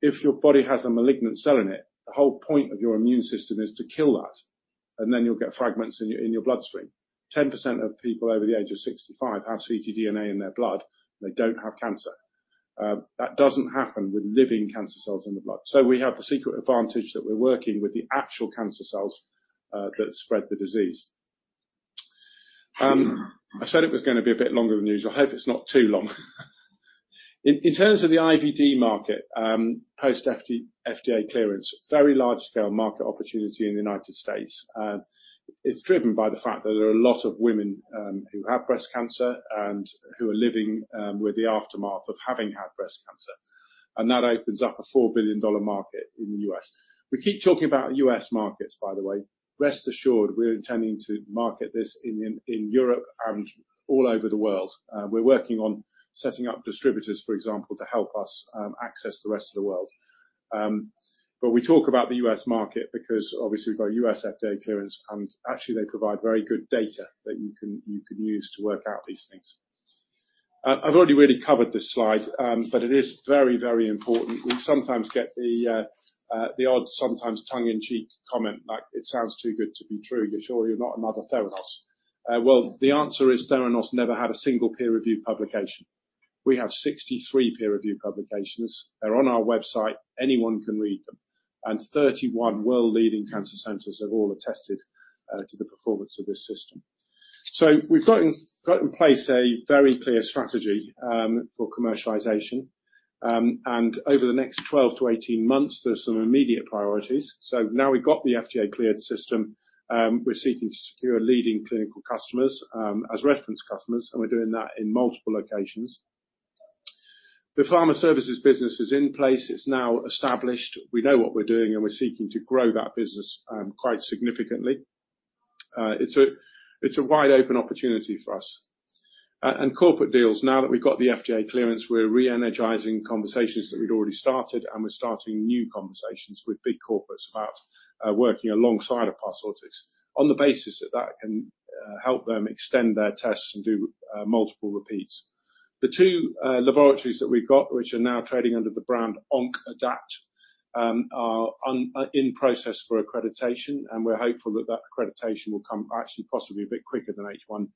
if your body has a malignant cell in it, the whole point of your immune system is to kill that, and then you'll get fragments in your bloodstream. 10% of people over the age of 65 have ctDNA in their blood, and they don't have cancer. That doesn't happen with living cancer cells in the blood. We have the secret advantage that we're working with the actual cancer cells that spread the disease. I said it was gonna be a bit longer than usual. I hope it's not too long. In terms of the IVD market, post 510(k)-FDA clearance, very large-scale market opportunity in the United States. It's driven by the fact that there are a lot of women who have breast cancer and who are living with the aftermath of having had breast cancer, and that opens up a $4 billion market in the U.S. We keep talking about U.S. markets, by the way. Rest assured, we're intending to market this in Europe and all over the world. We're working on setting up distributors, for example, to help us access the rest of the world. But we talk about the U.S. market because obviously we've got a U.S. FDA clearance, and actually they provide very good data that you can use to work out these things. I've already really covered this slide, but it is very, very important. We sometimes get the odd sometimes tongue-in-cheek comment like, "It sounds too good to be true. You're sure you're not another Theranos?" Well, the answer is Theranos never had a single peer-reviewed publication. We have 63 peer-reviewed publications. They're on our website. Anyone can read them. 31 world-leading cancer centers have all attested to the performance of this system. We've got in place a very clear strategy for commercialization. Over the next 12-18 months, there's some immediate priorities. Now we've got the FDA-cleared system, we're seeking to secure leading clinical customers as reference customers, and we're doing that in multiple locations. The pharma services business is in place. It's now established. We know what we're doing, and we're seeking to grow that business, quite significantly. It's a wide-open opportunity for us. Corporate deals. Now that we've got the FDA clearance, we're re-energizing conversations that we'd already started, and we're starting new conversations with big corporates about working alongside of Parsortix on the basis that that can help them extend their tests and do multiple repeats. The two laboratories that we've got, which are now trading under the brand OncAdapt, are in process for accreditation, and we're hopeful that that accreditation will come actually possibly a bit quicker than H1,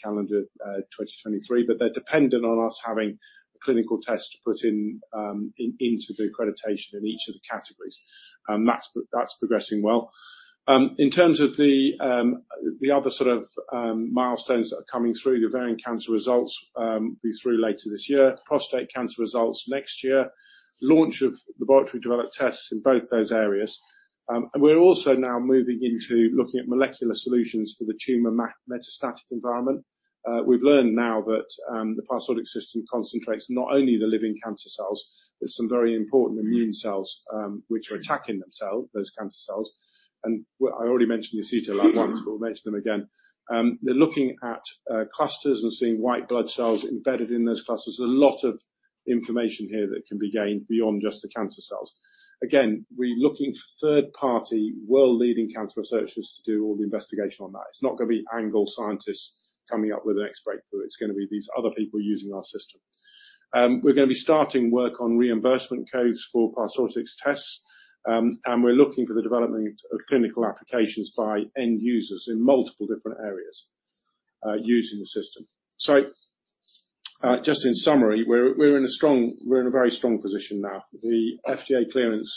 calendar 2023. They're dependent on us having a clinical test to put into the accreditation in each of the categories. That's progressing well. In terms of the other sort of milestones that are coming through, the ovarian cancer results will be through later this year, prostate cancer results next year. Launch of laboratory-developed tests in both those areas. We're also now moving into looking at molecular solutions for the tumor metastatic environment. We've learned now that the Parsortix system concentrates not only the living cancer cells, but some very important immune cells which are attacking themselves, those cancer cells. I already mentioned Aceto once, but we'll mention them again. They're looking at clusters and seeing white blood cells embedded in those clusters. There's a lot of information here that can be gained beyond just the cancer cells. Again, we're looking for third-party, world-leading cancer researchers to do all the investigation on that. It's not gonna be ANGLE scientists coming up with the next breakthrough. It's gonna be these other people using our system. We're gonna be starting work on reimbursement codes for Parsortix tests, and we're looking for the development of clinical applications by end users in multiple different areas, using the system. Just in summary, we're in a very strong position now. The FDA clearance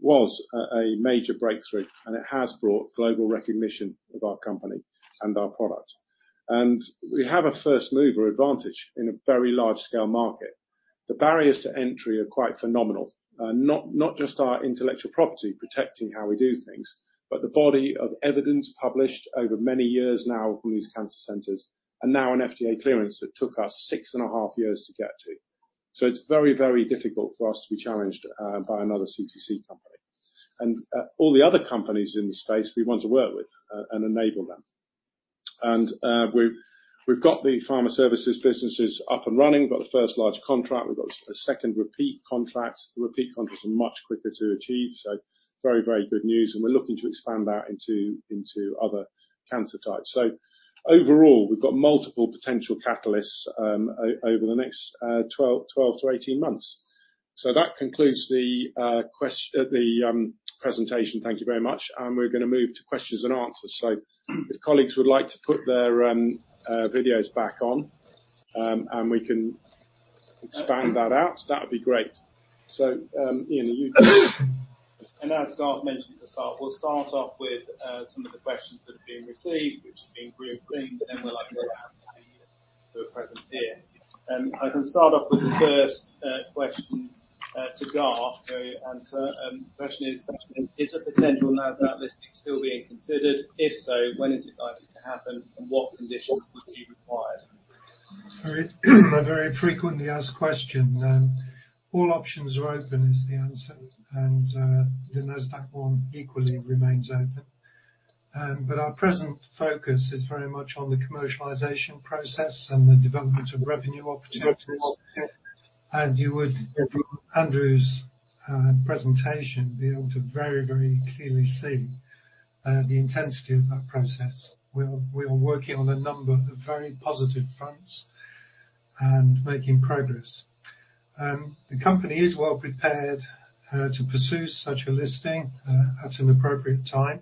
was a major breakthrough, and it has brought global recognition of our company and our product. We have a first-mover advantage in a very large-scale market. The barriers to entry are quite phenomenal. Not just our intellectual property protecting how we do things, but the body of evidence published over many years now with these cancer centers, and now an FDA clearance that took us 6.5 years to get to. It's very, very difficult for us to be challenged by another CTC company. All the other companies in this space we want to work with and enable them. We've got the pharma services businesses up and running. We've got the first large contract. We've got a second repeat contract. The repeat contracts are much quicker to achieve, very, very good news, and we're looking to expand that into other cancer types. Overall, we've got multiple potential catalysts over the next 12-18 months. That concludes the presentation. Thank you very much. We're gonna move to questions and answers. If colleagues would like to put their videos back on, and we can expand that out, that would be great. Ian, you- As Garth mentioned at the start, we'll start off with some of the questions that have been received, which have been pre-approved, but then we'd like to go out to the present here. I can start off with the first question to Garth to answer. The question is a potential NASDAQ listing still being considered? If so, when is it likely to happen, and what conditions would be required? A very frequently asked question. All options are open is the answer. The NASDAQ one equally remains open. Our present focus is very much on the commercialization process and the development of revenue opportunities. You would be able to very clearly see the intensity of that process from Andrew's presentation. We are working on a number of very positive fronts and making progress. The company is well-prepared to pursue such a listing at an appropriate time.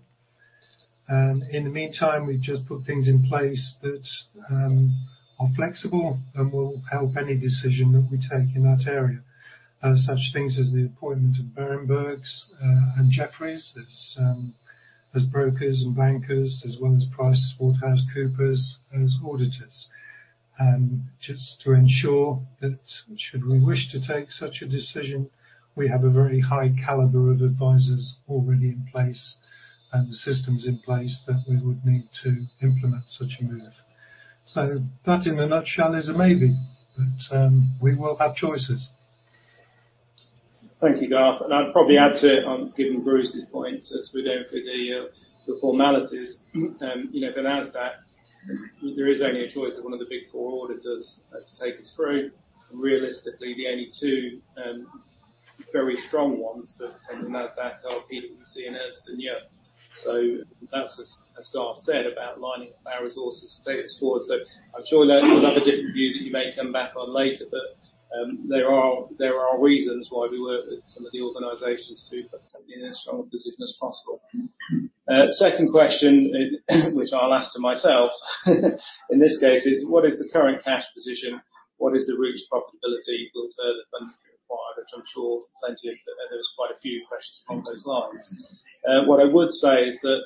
In the meantime, we've just put things in place that are flexible and will help any decision that we take in that area. Such things as the appointment of Berenberg and Jefferies as brokers and bankers, as well as PricewaterhouseCoopers as auditors. Just to ensure that should we wish to take such a decision, we have a very high caliber of advisors already in place and the systems in place that we would need to implement such a move. That in a nutshell is a maybe, but we will have choices. Thank you, Garth. I'd probably add to it on giving Bruce's point as we're going through the formalities. You know, for NASDAQ, there is only a choice of one of the Big Four auditors to take us through. Realistically, the only two very strong ones for listing NASDAQ are PwC and Ernst & Young. That's as Garth said about lining up our resources to take us forward. I'm sure there's another different view that you may come back on later, but there are reasons why we work with some of the organizations to put the company in as strong a position as possible. Second question, which I'll ask to myself in this case is what is the current cash position. What is the route to profitability with further funding required. Which I'm sure plenty of. There was quite a few questions along those lines. What I would say is that,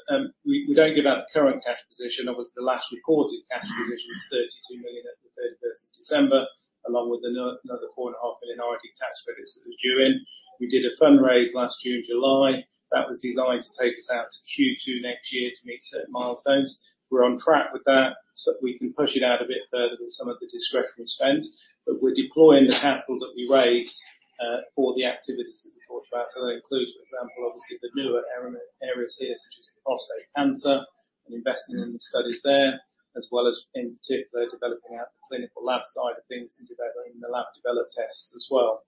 we don't give out the current cash position. Obviously, the last reported cash position was 32 million at the 31st of December, along with another 4.5 million R&D tax credits that was due in. We did a fundraise last June, July. That was designed to take us out to Q2 next year to meet certain milestones. We're on track with that, so we can push it out a bit further with some of the discretionary spend. We're deploying the capital that we raised, for the activities that we have talked about. That includes, for example, obviously the newer areas here, such as prostate cancer and investing in the studies there, as well as in particular, developing out the clinical lab side of things and developing the lab developed tests as well.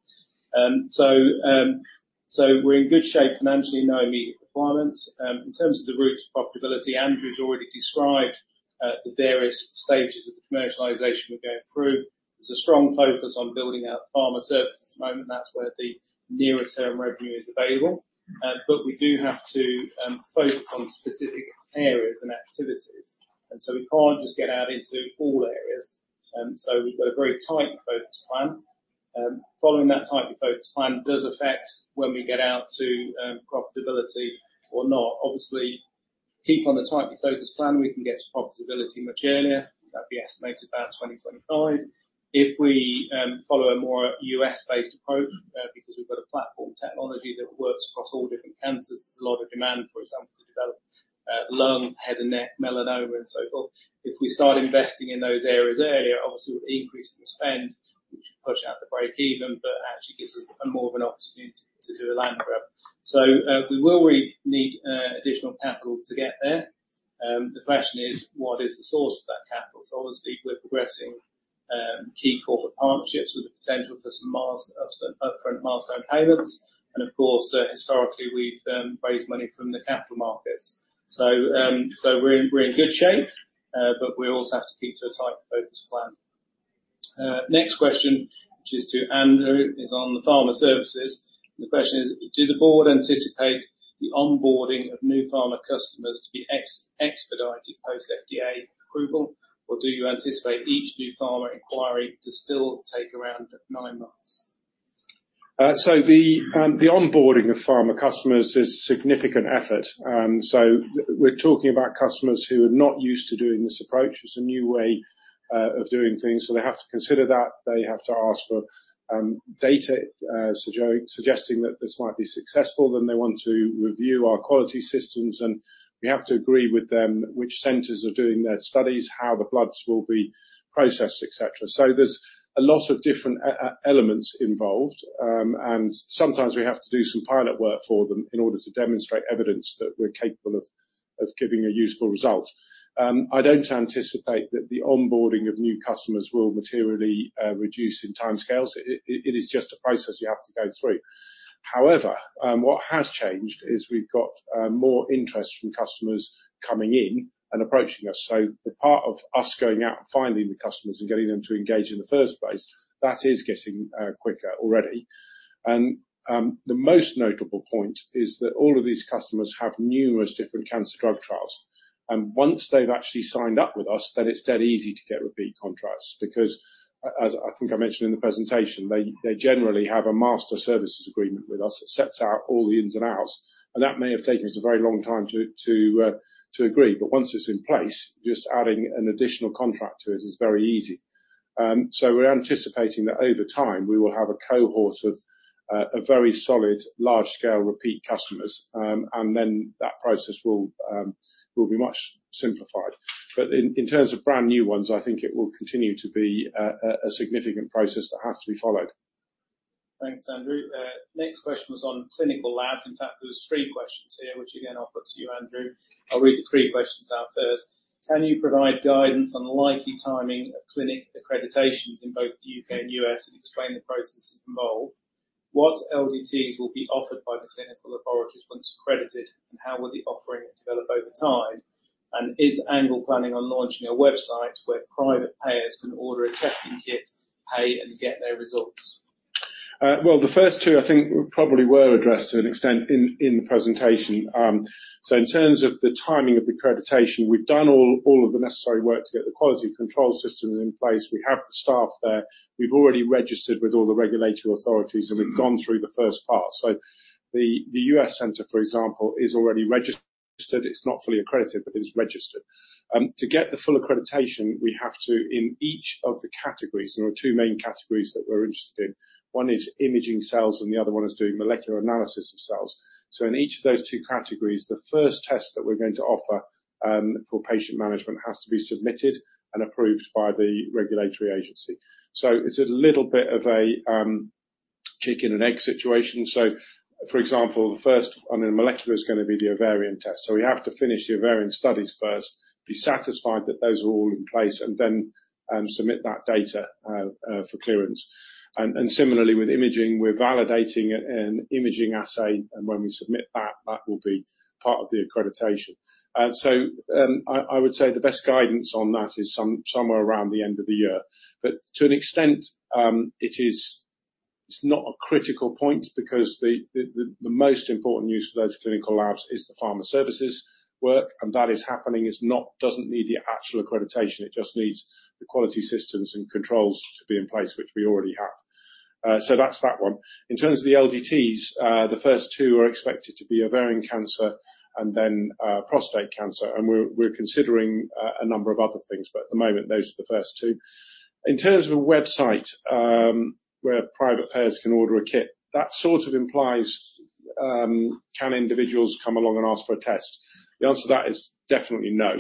We're in good shape financially, no immediate requirements. In terms of the route to profitability, Andrew's already described the various stages of the commercialization we're going through. There's a strong focus on building out pharma services at the moment. That's where the nearer term revenue is available. We do have to focus on specific areas and activities, and so we can't just get out into all areas. We've got a very tightly focused plan. Following that tightly focused plan does affect when we get out to profitability or not. Obviously, keep on the tightly focused plan. We can get to profitability much earlier. That'd be estimated about 2025. If we follow a more U.S.-based approach, because we've got a platform technology that works across all different cancers, there's a lot of demand, for example, to develop lung, head and neck, melanoma and so forth. If we start investing in those areas earlier, obviously we're increasing the spend, which would push out the breakeven, but actually gives us more of an opportunity to do a land grab. We need additional capital to get there. The question is what is the source of that capital? Obviously we're progressing key corporate partnerships with the potential for some upfront milestone payments. Of course, historically we've raised money from the capital markets. We're in good shape, but we also have to keep to a tight focused plan. Next question, which is to Andrew, is on the pharma services. The question is, do the board anticipate the onboarding of new pharma customers to be expedited post FDA approval, or do you anticipate each new pharma inquiry to still take around nine months? The onboarding of pharma customers is a significant effort. We're talking about customers who are not used to doing this approach. It's a new way of doing things, so they have to consider that. They have to ask for data suggesting that this might be successful. They want to review our quality systems, and we have to agree with them which centers are doing their studies, how the bloods will be processed, et cetera. There's a lot of different elements involved. Sometimes we have to do some pilot work for them in order to demonstrate evidence that we're capable of giving a useful result. I don't anticipate that the onboarding of new customers will materially reduce in timescales. It is just a process you have to go through. However, what has changed is we've got more interest from customers coming in and approaching us. The part of us going out and finding the customers and getting them to engage in the first place, that is getting quicker already. The most notable point is that all of these customers have numerous different cancer drug trials, and once they've actually signed up with us, then it's dead easy to get repeat contracts because as I think I mentioned in the presentation, they generally have a master services agreement with us. It sets out all the ins and outs, and that may have taken us a very long time to agree. Once it's in place, just adding an additional contract to it is very easy. We're anticipating that over time we will have a cohort of a very solid large scale repeat customers, and then that process will be much simplified. In terms of brand new ones, I think it will continue to be a significant process that has to be followed. Thanks, Andrew. Next question was on clinical labs. In fact, there's three questions here, which again, I'll put to you, Andrew. I'll read the three questions out first. Can you provide guidance on the likely timing of clinical accreditations in both the U.K. and U.S. and explain the processes involved? What LDTs will be offered by the clinical laboratories once credited, and how will the offering develop over time? And is ANGLE planning on launching a website where private payers can order a testing kit, pay, and get their results? Well, the first two I think probably were addressed to an extent in the presentation. In terms of the timing of accreditation, we've done all of the necessary work to get the quality control systems in place. We have the staff there. We've already registered with all the regulatory authorities, and we've gone through the first part. The U.S. center, for example, is already registered. It's not fully accredited, but it is registered. To get the full accreditation, we have to, in each of the categories, there are two main categories that we're interested in. One is imaging cells, and the other one is doing molecular analysis of cells. In each of those two categories, the first test that we're going to offer for patient management has to be submitted and approved by the regulatory agency. It's a little bit of a chicken and egg situation. For example, the first on the molecular is gonna be the ovarian test. We have to finish the ovarian studies first, be satisfied that those are all in place, and then submit that data for clearance. Similarly with imaging, we're validating an imaging assay, and when we submit that will be part of the accreditation. I would say the best guidance on that is somewhere around the end of the year. To an extent, it is not a critical point because the most important use for those clinical labs is the pharma services work, and that is happening. It doesn't need the actual accreditation, it just needs the quality systems and controls to be in place, which we already have. That's that one. In terms of the LDTs, the first two are expected to be ovarian cancer and then, prostate cancer. We're considering a number of other things, but at the moment, those are the first two. In terms of a website where private payers can order a kit, that sort of implies can individuals come along and ask for a test? The answer to that is definitely no.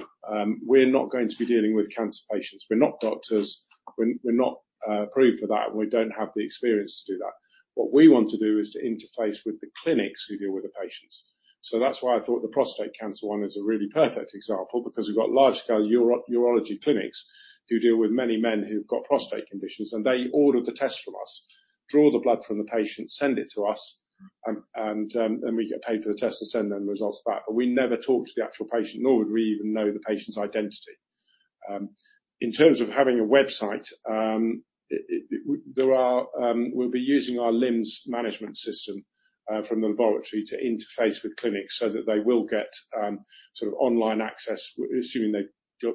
We're not going to be dealing with cancer patients. We're not doctors. We're not approved for that, and we don't have the experience to do that. What we want to do is to interface with the clinics who deal with the patients. That's why I thought the prostate cancer one is a really perfect example, because we've got large-scale urology clinics who deal with many men who've got prostate conditions, and they order the tests from us, draw the blood from the patient, send it to us, and then we get paid for the test and send them results back. We never talk to the actual patient, nor would we even know the patient's identity. In terms of having a website, we'll be using our LIMS management system from the laboratory to interface with clinics so that they will get sort of online access, assuming they've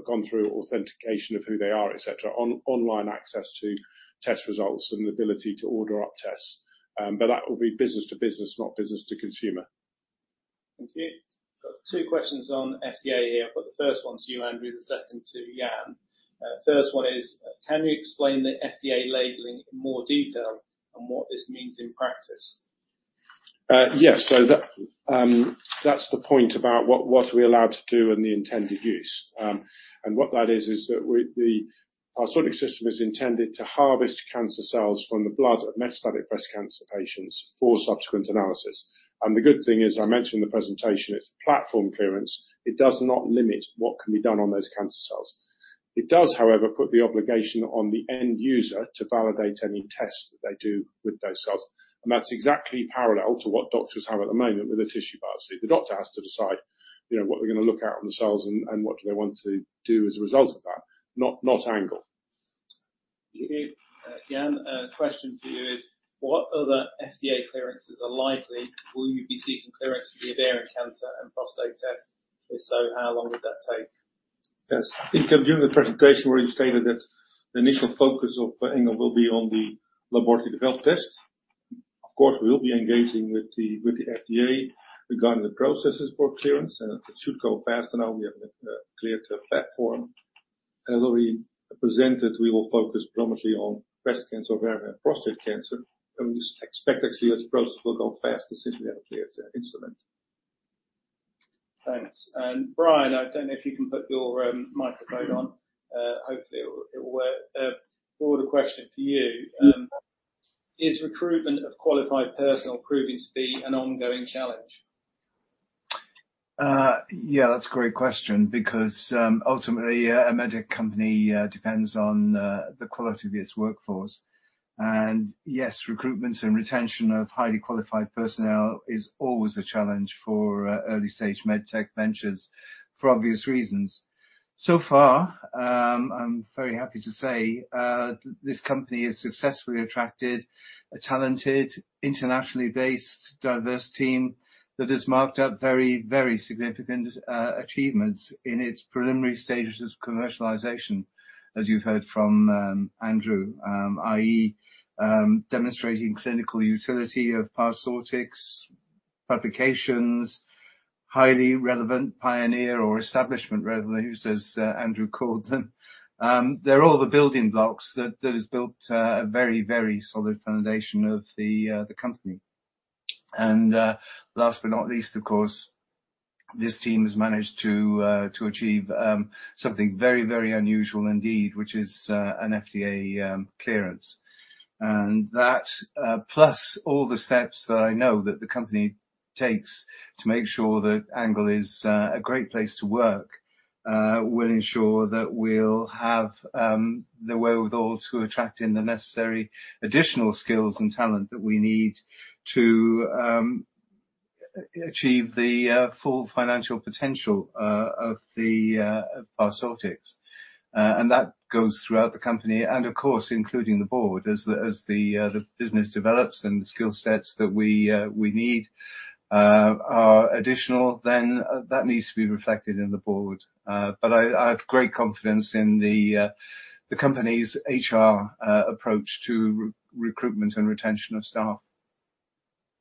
gone through authentication of who they are, et cetera, online access to test results and the ability to order up tests. That will be business to business, not business to consumer. Thank you. Got two questions on FDA here, but the first one's to you, Andrew, the second to Jan. First one is, can you explain the FDA labeling in more detail and what this means in practice? Yes. That's the point about what are we allowed to do and the intended use. What that is is that we, our Parsortix system is intended to harvest cancer cells from the blood of metastatic breast cancer patients for subsequent analysis. The good thing is, I mentioned in the presentation, it's a platform clearance. It does not limit what can be done on those cancer cells. It does, however, put the obligation on the end user to validate any tests that they do with those cells, and that's exactly parallel to what doctors have at the moment with a tissue biopsy. The doctor has to decide, you know, what they're gonna look at in the cells and what do they want to do as a result of that, not ANGLE. Thank you. Jan, a question for you is: What other FDA clearances are likely? Will you be seeking clearance for the ovarian cancer and prostate test? If so, how long would that take? Yes. I think during the presentation where you stated that the initial focus of ANGLE will be on the laboratory developed test. Of course, we'll be engaging with the FDA regarding the processes for clearance, and it should go faster now we have cleared a platform. As already presented, we will focus predominantly on breast cancer, ovarian, and prostate cancer, and we expect actually that the process will go faster since we have a cleared instrument. Thanks. Brian, I don't know if you can put your microphone on. Hopefully it will work. Broader question for you. Is recruitment of qualified personnel proving to be an ongoing challenge? Yeah, that's a great question because ultimately a med tech company depends on the quality of its workforce. Yes, recruitment and retention of highly qualified personnel is always a challenge for early-stage med tech ventures for obvious reasons. So far, I'm very happy to say this company has successfully attracted a talented, internationally based, diverse team that has marked up very, very significant achievements in its preliminary stages of commercialization, as you heard from Andrew, i.e., demonstrating clinical utility of Parsortix publications, highly relevant pioneer or establishment revenues, as Andrew called them. They're all the building blocks that has built a very, very solid foundation of the company. Last but not least, of course, this team has managed to achieve something very unusual indeed, which is an FDA clearance. That plus all the steps that I know that the company takes to make sure that ANGLE is a great place to work will ensure that we'll have the wherewithal to attract in the necessary additional skills and talent that we need to achieve the full financial potential of Parsortix. That goes throughout the company and of course, including the board. As the business develops and the skill sets that we need are additional, then that needs to be reflected in the board. I have great confidence in the company's HR approach to recruitment and retention of staff.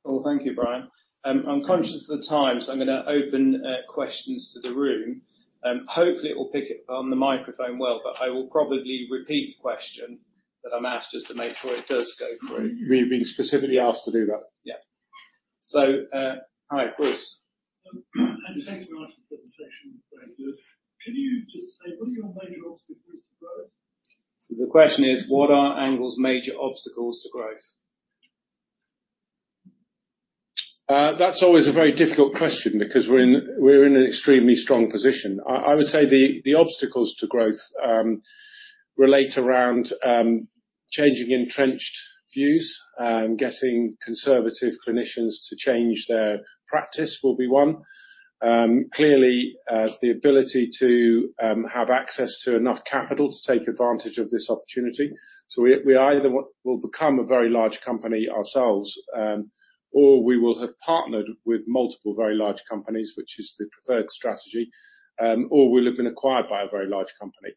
Well, thank you, Brian. I'm conscious of the time, so I'm gonna open questions to the room. Hopefully it will pick up on the microphone well, but I will probably repeat the question that I'm asked just to make sure it does go through. We've been specifically asked to do that. Yeah. Hi, Bruce. Andrew, thanks for a wonderful presentation. Very good. Can you just say what are your major obstacles to growth? The question is, what are ANGLE's major obstacles to growth? That's always a very difficult question because we're in an extremely strong position. I would say the obstacles to growth revolve around changing entrenched views, getting conservative clinicians to change their practice will be one. Clearly, the ability to have access to enough capital to take advantage of this opportunity. We will become a very large company ourselves, or we will have partnered with multiple very large companies, which is the preferred strategy, or we'll have been acquired by a very large company.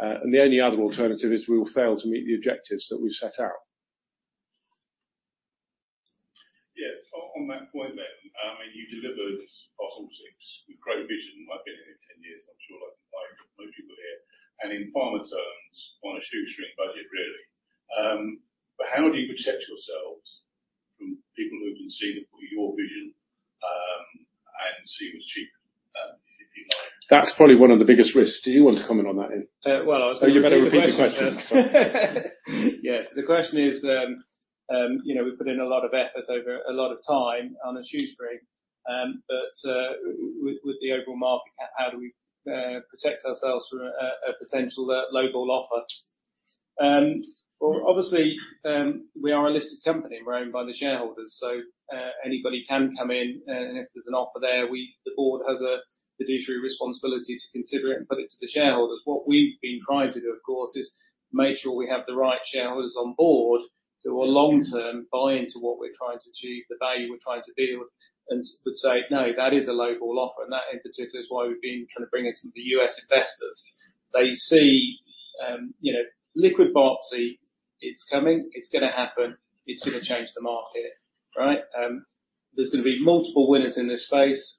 The only other alternative is we will fail to meet the objectives that we set out. Yeah. On that point then, you delivered Parsortix with great vision. I've been here 10 years. I'm sure I can find most people. In pharma terms, on a shoestring budget, really. How do you protect yourselves from people who can see your vision, and see what's cheap, if you know? That's probably one of the biggest risks. Do you want to comment on that, Ian? Well, I was gonna- Oh, you better repeat the question. Yeah. The question is, you know, we put in a lot of effort over a lot of time on a shoestring. With the overall market cap, how do we protect ourselves from a potential lowball offer? Well, obviously, we are a listed company, and we're owned by the shareholders, so anybody can come in, and if there's an offer there, the board has a fiduciary responsibility to consider it and put it to the shareholders. What we've been trying to do, of course, is make sure we have the right shareholders on board who will long-term buy into what we're trying to achieve, the value we're trying to build, and would say, "No, that is a lowball offer." That, in particular, is why we've been trying to bring in some of the U.S. investors. They see, you know, liquid biopsy, it's coming, it's gonna happen, it's gonna change the market, right? There's gonna be multiple winners in this space.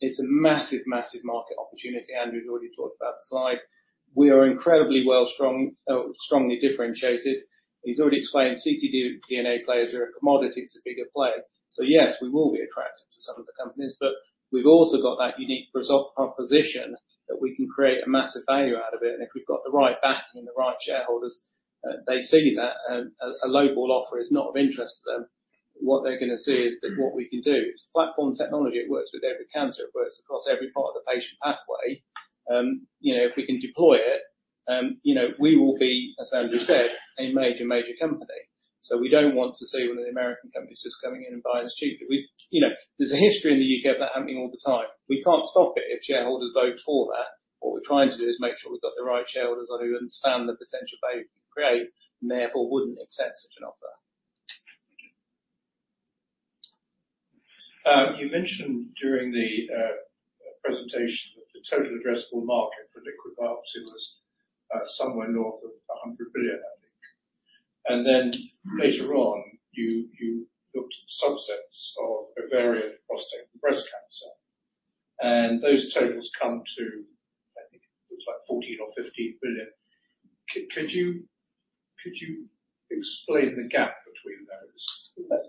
It's a massive market opportunity. Andrew already talked about the slide. We are incredibly strong, strongly differentiated. He's already explained ctDNA players are a commodity to bigger players. So yes, we will be attractive to some of the companies, but we've also got that unique value proposition that we can create a massive value out of it. If we've got the right backing and the right shareholders, they see that, a lowball offer is not of interest to them. What they're gonna see is that what we can do. It's platform technology. It works with every cancer. It works across every part of the patient pathway. You know, if we can deploy it, you know, we will be, as Andrew said, a major company. We don't want to see one of the American companies just coming in and buying us cheap. You know, there's a history in the U.K. of that happening all the time. We can't stop it if shareholders vote for that. What we're trying to do is make sure we've got the right shareholders on board who understand the potential value we create and therefore wouldn't accept such an offer. You mentioned during the presentation that the total addressable market for liquid biopsy was somewhere north of 100 billion, I think. Later on, you looked at subsets of ovarian, prostate, and breast cancer. Those totals come to, I think, it looks like 14 or 15 billion. Could you explain the gap between those? Where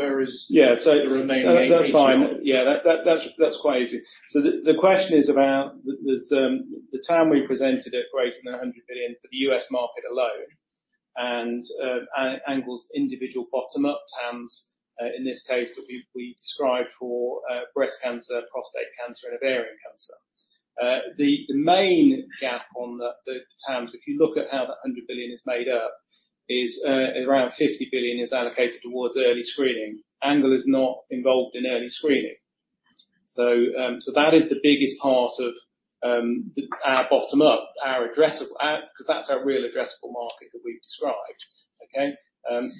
is Yeah. The remaining- That's fine. Yeah. That's quite easy. The question is about the TAM we presented at greater than $100 billion for the U.S. market alone. ANGLE's individual bottom-up TAMs in this case that we've described for breast cancer, prostate cancer, and ovarian cancer. The main gap on the TAMs, if you look at how that $100 billion is made up, is around $50 billion is allocated towards early screening. ANGLE is not involved in early screening. That is the biggest part of our bottom-up, our addressable 'cause that's our real addressable market that we've described, okay?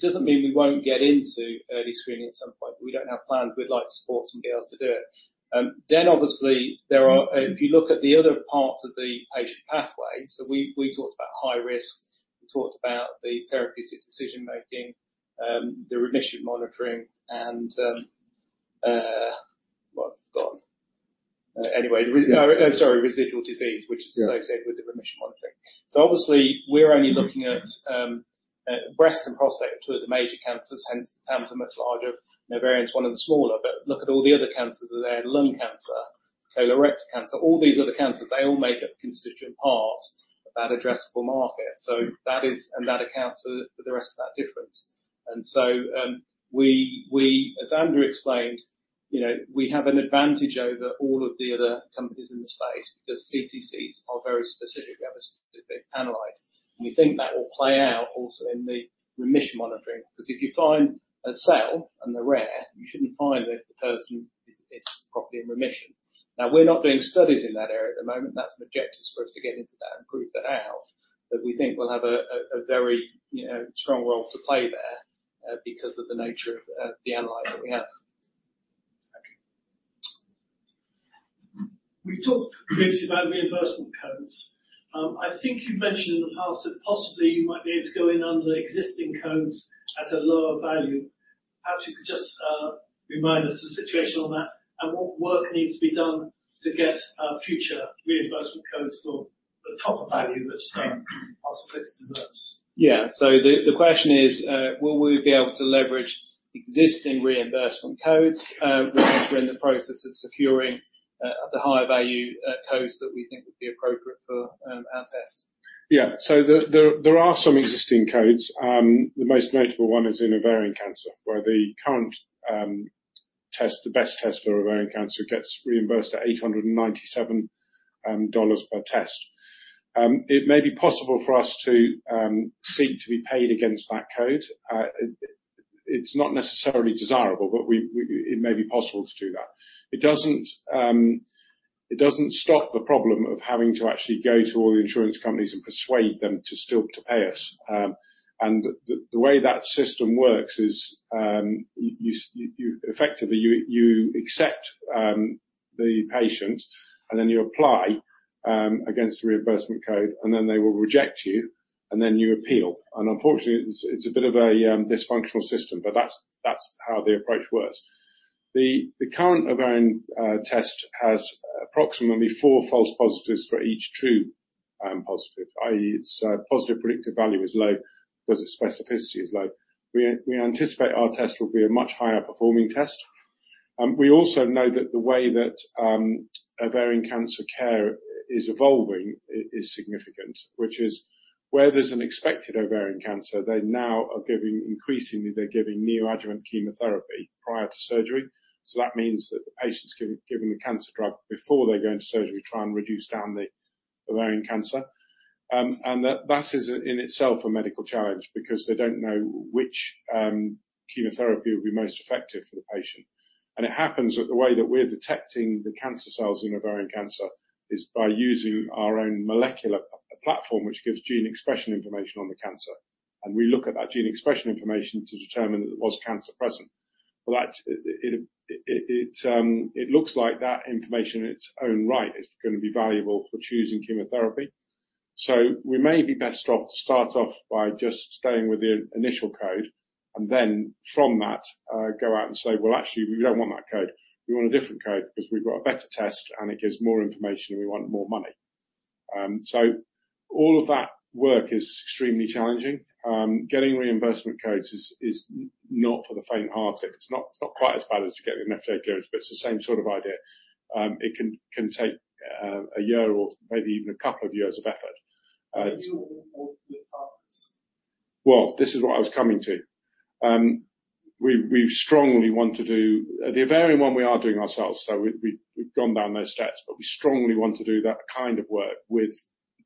Doesn't mean we won't get into early screening at some point, but we don't have plans. We'd like to support somebody else to do it. If you look at the other parts of the patient pathway, we talked about high risk, we talked about the therapeutic decision-making, the remission monitoring, and residual disease, which is associated with the remission monitoring. Obviously, we're only looking at breast and prostate, two of the major cancers, hence the TAMs are much larger. Ovarian is one of the smaller. But look at all the other cancers that are there. Lung cancer, colorectal cancer, all these other cancers, they all make up a constituent part of that addressable market. That accounts for the rest of that difference. we, as Andrew explained, you know, we have an advantage over all of the other companies in the space because CTCs are very specific. We have a specific analyte. We think that will play out also in the remission monitoring 'cause if you find a cell, and they're rare, you shouldn't find that the person is probably in remission. Now, we're not doing studies in that area at the moment. That's an objective for us to get into that and prove that out. We think we'll have a very, you know, strong role to play there, because of the nature of the analyte that we have. Okay. We talked previously about reimbursement codes. I think you mentioned in the past that possibly you might be able to go in under existing codes at a lower value. Perhaps you could just remind us of the situation on that and what work needs to be done to get future reimbursement codes for the top value that possibly this deserves. Yeah. The question is, will we be able to leverage existing reimbursement codes, remember in the process of securing the higher value codes that we think would be appropriate for our tests? There are some existing codes. The most notable one is in ovarian cancer, where the current test, the best test for ovarian cancer gets reimbursed at $897 per test. It may be possible for us to seek to be paid against that code. It's not necessarily desirable, but It may be possible to do that. It doesn't stop the problem of having to actually go to all the insurance companies and persuade them to still pay us. The way that system works is, you effectively accept the patient, and then you apply against the reimbursement code, and then they will reject you and then you appeal. Unfortunately, it's a bit of a dysfunctional system, but that's how the approach works. The current ovarian test has approximately four false positives for each true positive, i.e., its positive predictive value is low 'cause its specificity is low. We anticipate our test will be a much higher performing test. We also know that the way that ovarian cancer care is evolving is significant, which is where there's an expected ovarian cancer, they're increasingly giving neoadjuvant chemotherapy prior to surgery. That means that the patient is given the cancer drug before they're going to surgery to try and reduce down the ovarian cancer. That is in itself a medical challenge because they don't know which chemotherapy will be most effective for the patient. It happens that the way that we're detecting the cancer cells in ovarian cancer is by using our own molecular platform, which gives gene expression information on the cancer, and we look at that gene expression information to determine that there was cancer present. It looks like that information in its own right is gonna be valuable for choosing chemotherapy. We may be best off to start off by just staying with the initial code, and then from that, go out and say, "Well, actually, we don't want that code. We want a different code 'cause we've got a better test and it gives more information, and we want more money." All of that work is extremely challenging. Getting reimbursement codes is not for the faint-hearted. It's not quite as bad as getting an FDA clearance, but it's the same sort of idea. It can take a year or maybe even a couple of years of effort. Well, this is what I was coming to. We strongly want to do the ovarian one we are doing ourselves, so we've gone down those paths, but we strongly want to do that kind of work with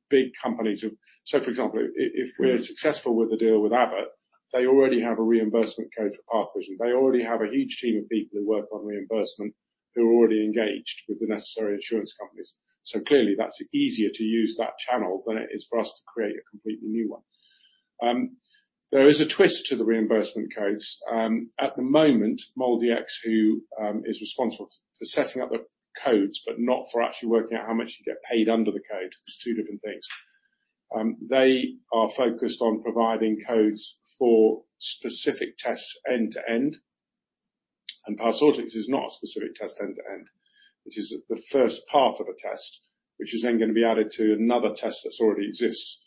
big companies who. For example, if we're successful with the deal with Abbott, they already have a reimbursement code for PathVysion. They already have a huge team of people who work on reimbursement, who are already engaged with the necessary insurance companies. Clearly that's easier to use their channel than it is for us to create a completely new one. There is a twist to the reimbursement codes. At the moment, MolDX, who is responsible for setting up the codes but not for actually working out how much you get paid under the code, it's two different things. They are focused on providing codes for specific tests end to end, and Parsotix is not a specific test end to end. It is the first part of a test, which is then gonna be added to another test that already exists.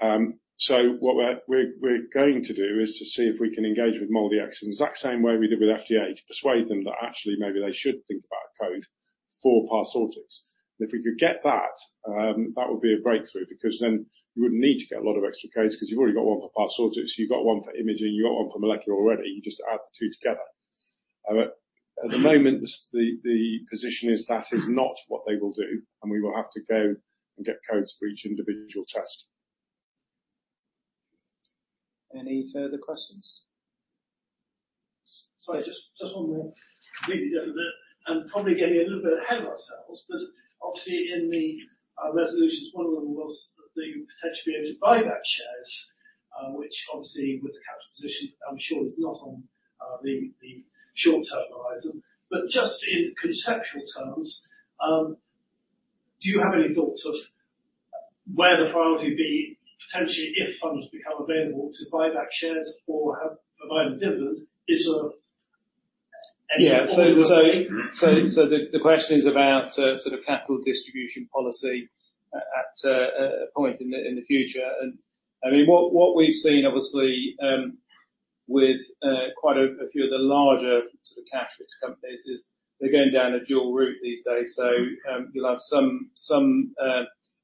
What we're going to do is to see if we can engage with MolDX in the exact same way we did with FDA to persuade them that actually maybe they should think about a code for Parsotix. If we could get that would be a breakthrough because then you wouldn't need to get a lot of extra codes 'cause you've already got one for Parsotix, you got one for imaging, you got one for molecular already. You just add the two together. At the moment, the position is that is not what they will do, and we will have to go and get codes for each individual test. Any further questions? Sorry, just one more. Maybe just a bit, and probably getting a little bit ahead of ourselves, but obviously in the resolutions, one of them was the potential to be able to buy back shares, which obviously with the capital position I'm sure is not on the short-term horizon. Just in conceptual terms, do you have any thoughts of where the priority would be, potentially if funds become available, to buy back shares or provide a dividend? Is any- Yeah. The question is about sort of capital distribution policy at a point in the future. I mean, what we've seen obviously with quite a few of the larger sort of cash-rich companies is they're going down a dual route these days. You'll have some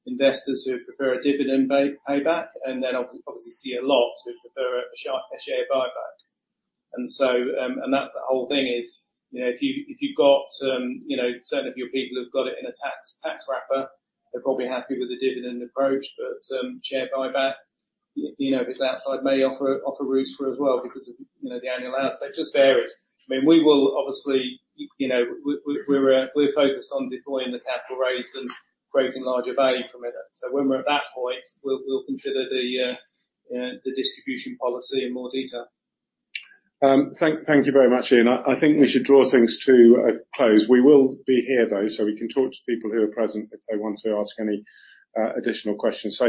investors who prefer a dividend payback and then obviously we see a lot who prefer a share buyback. That's the whole thing is, you know, if you've got you know certain of your people who've got it in a tax wrapper, they're probably happy with the dividend approach, but share buyback, you know, if it's outside off-market offer routes as well because of, you know, the annual allowance. Just varies. I mean, we will obviously, you know, we're focused on deploying the capital raised and creating larger value from it. When we're at that point, we'll consider the distribution policy in more detail. Thank you very much, Ian. I think we should draw things to a close. We will be here, though, so we can talk to people who are present if they want to ask any additional questions.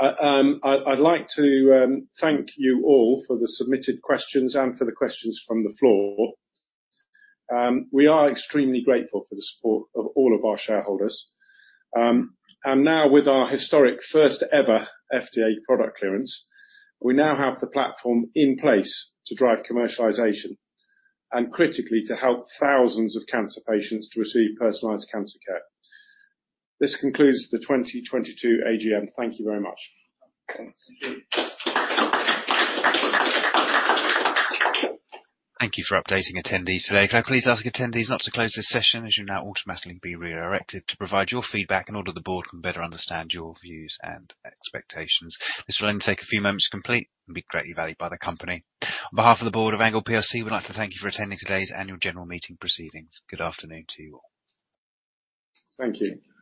I'd like to thank you all for the submitted questions and for the questions from the floor. We are extremely grateful for the support of all of our shareholders. Now with our historic first ever FDA product clearance, we now have the platform in place to drive commercialization, and critically, to help thousands of cancer patients to receive personalized cancer care. This concludes the 2022 AGM. Thank you very much. Thanks. Thank you for updating attendees today. Can I please ask attendees not to close this session as you'll now automatically be redirected to provide your feedback in order the board can better understand your views and expectations. This will only take a few moments to complete and be greatly valued by the company. On behalf of the board of ANGLE plc, we'd like to thank you for attending today's annual general meeting proceedings. Good afternoon to you all. Thank you.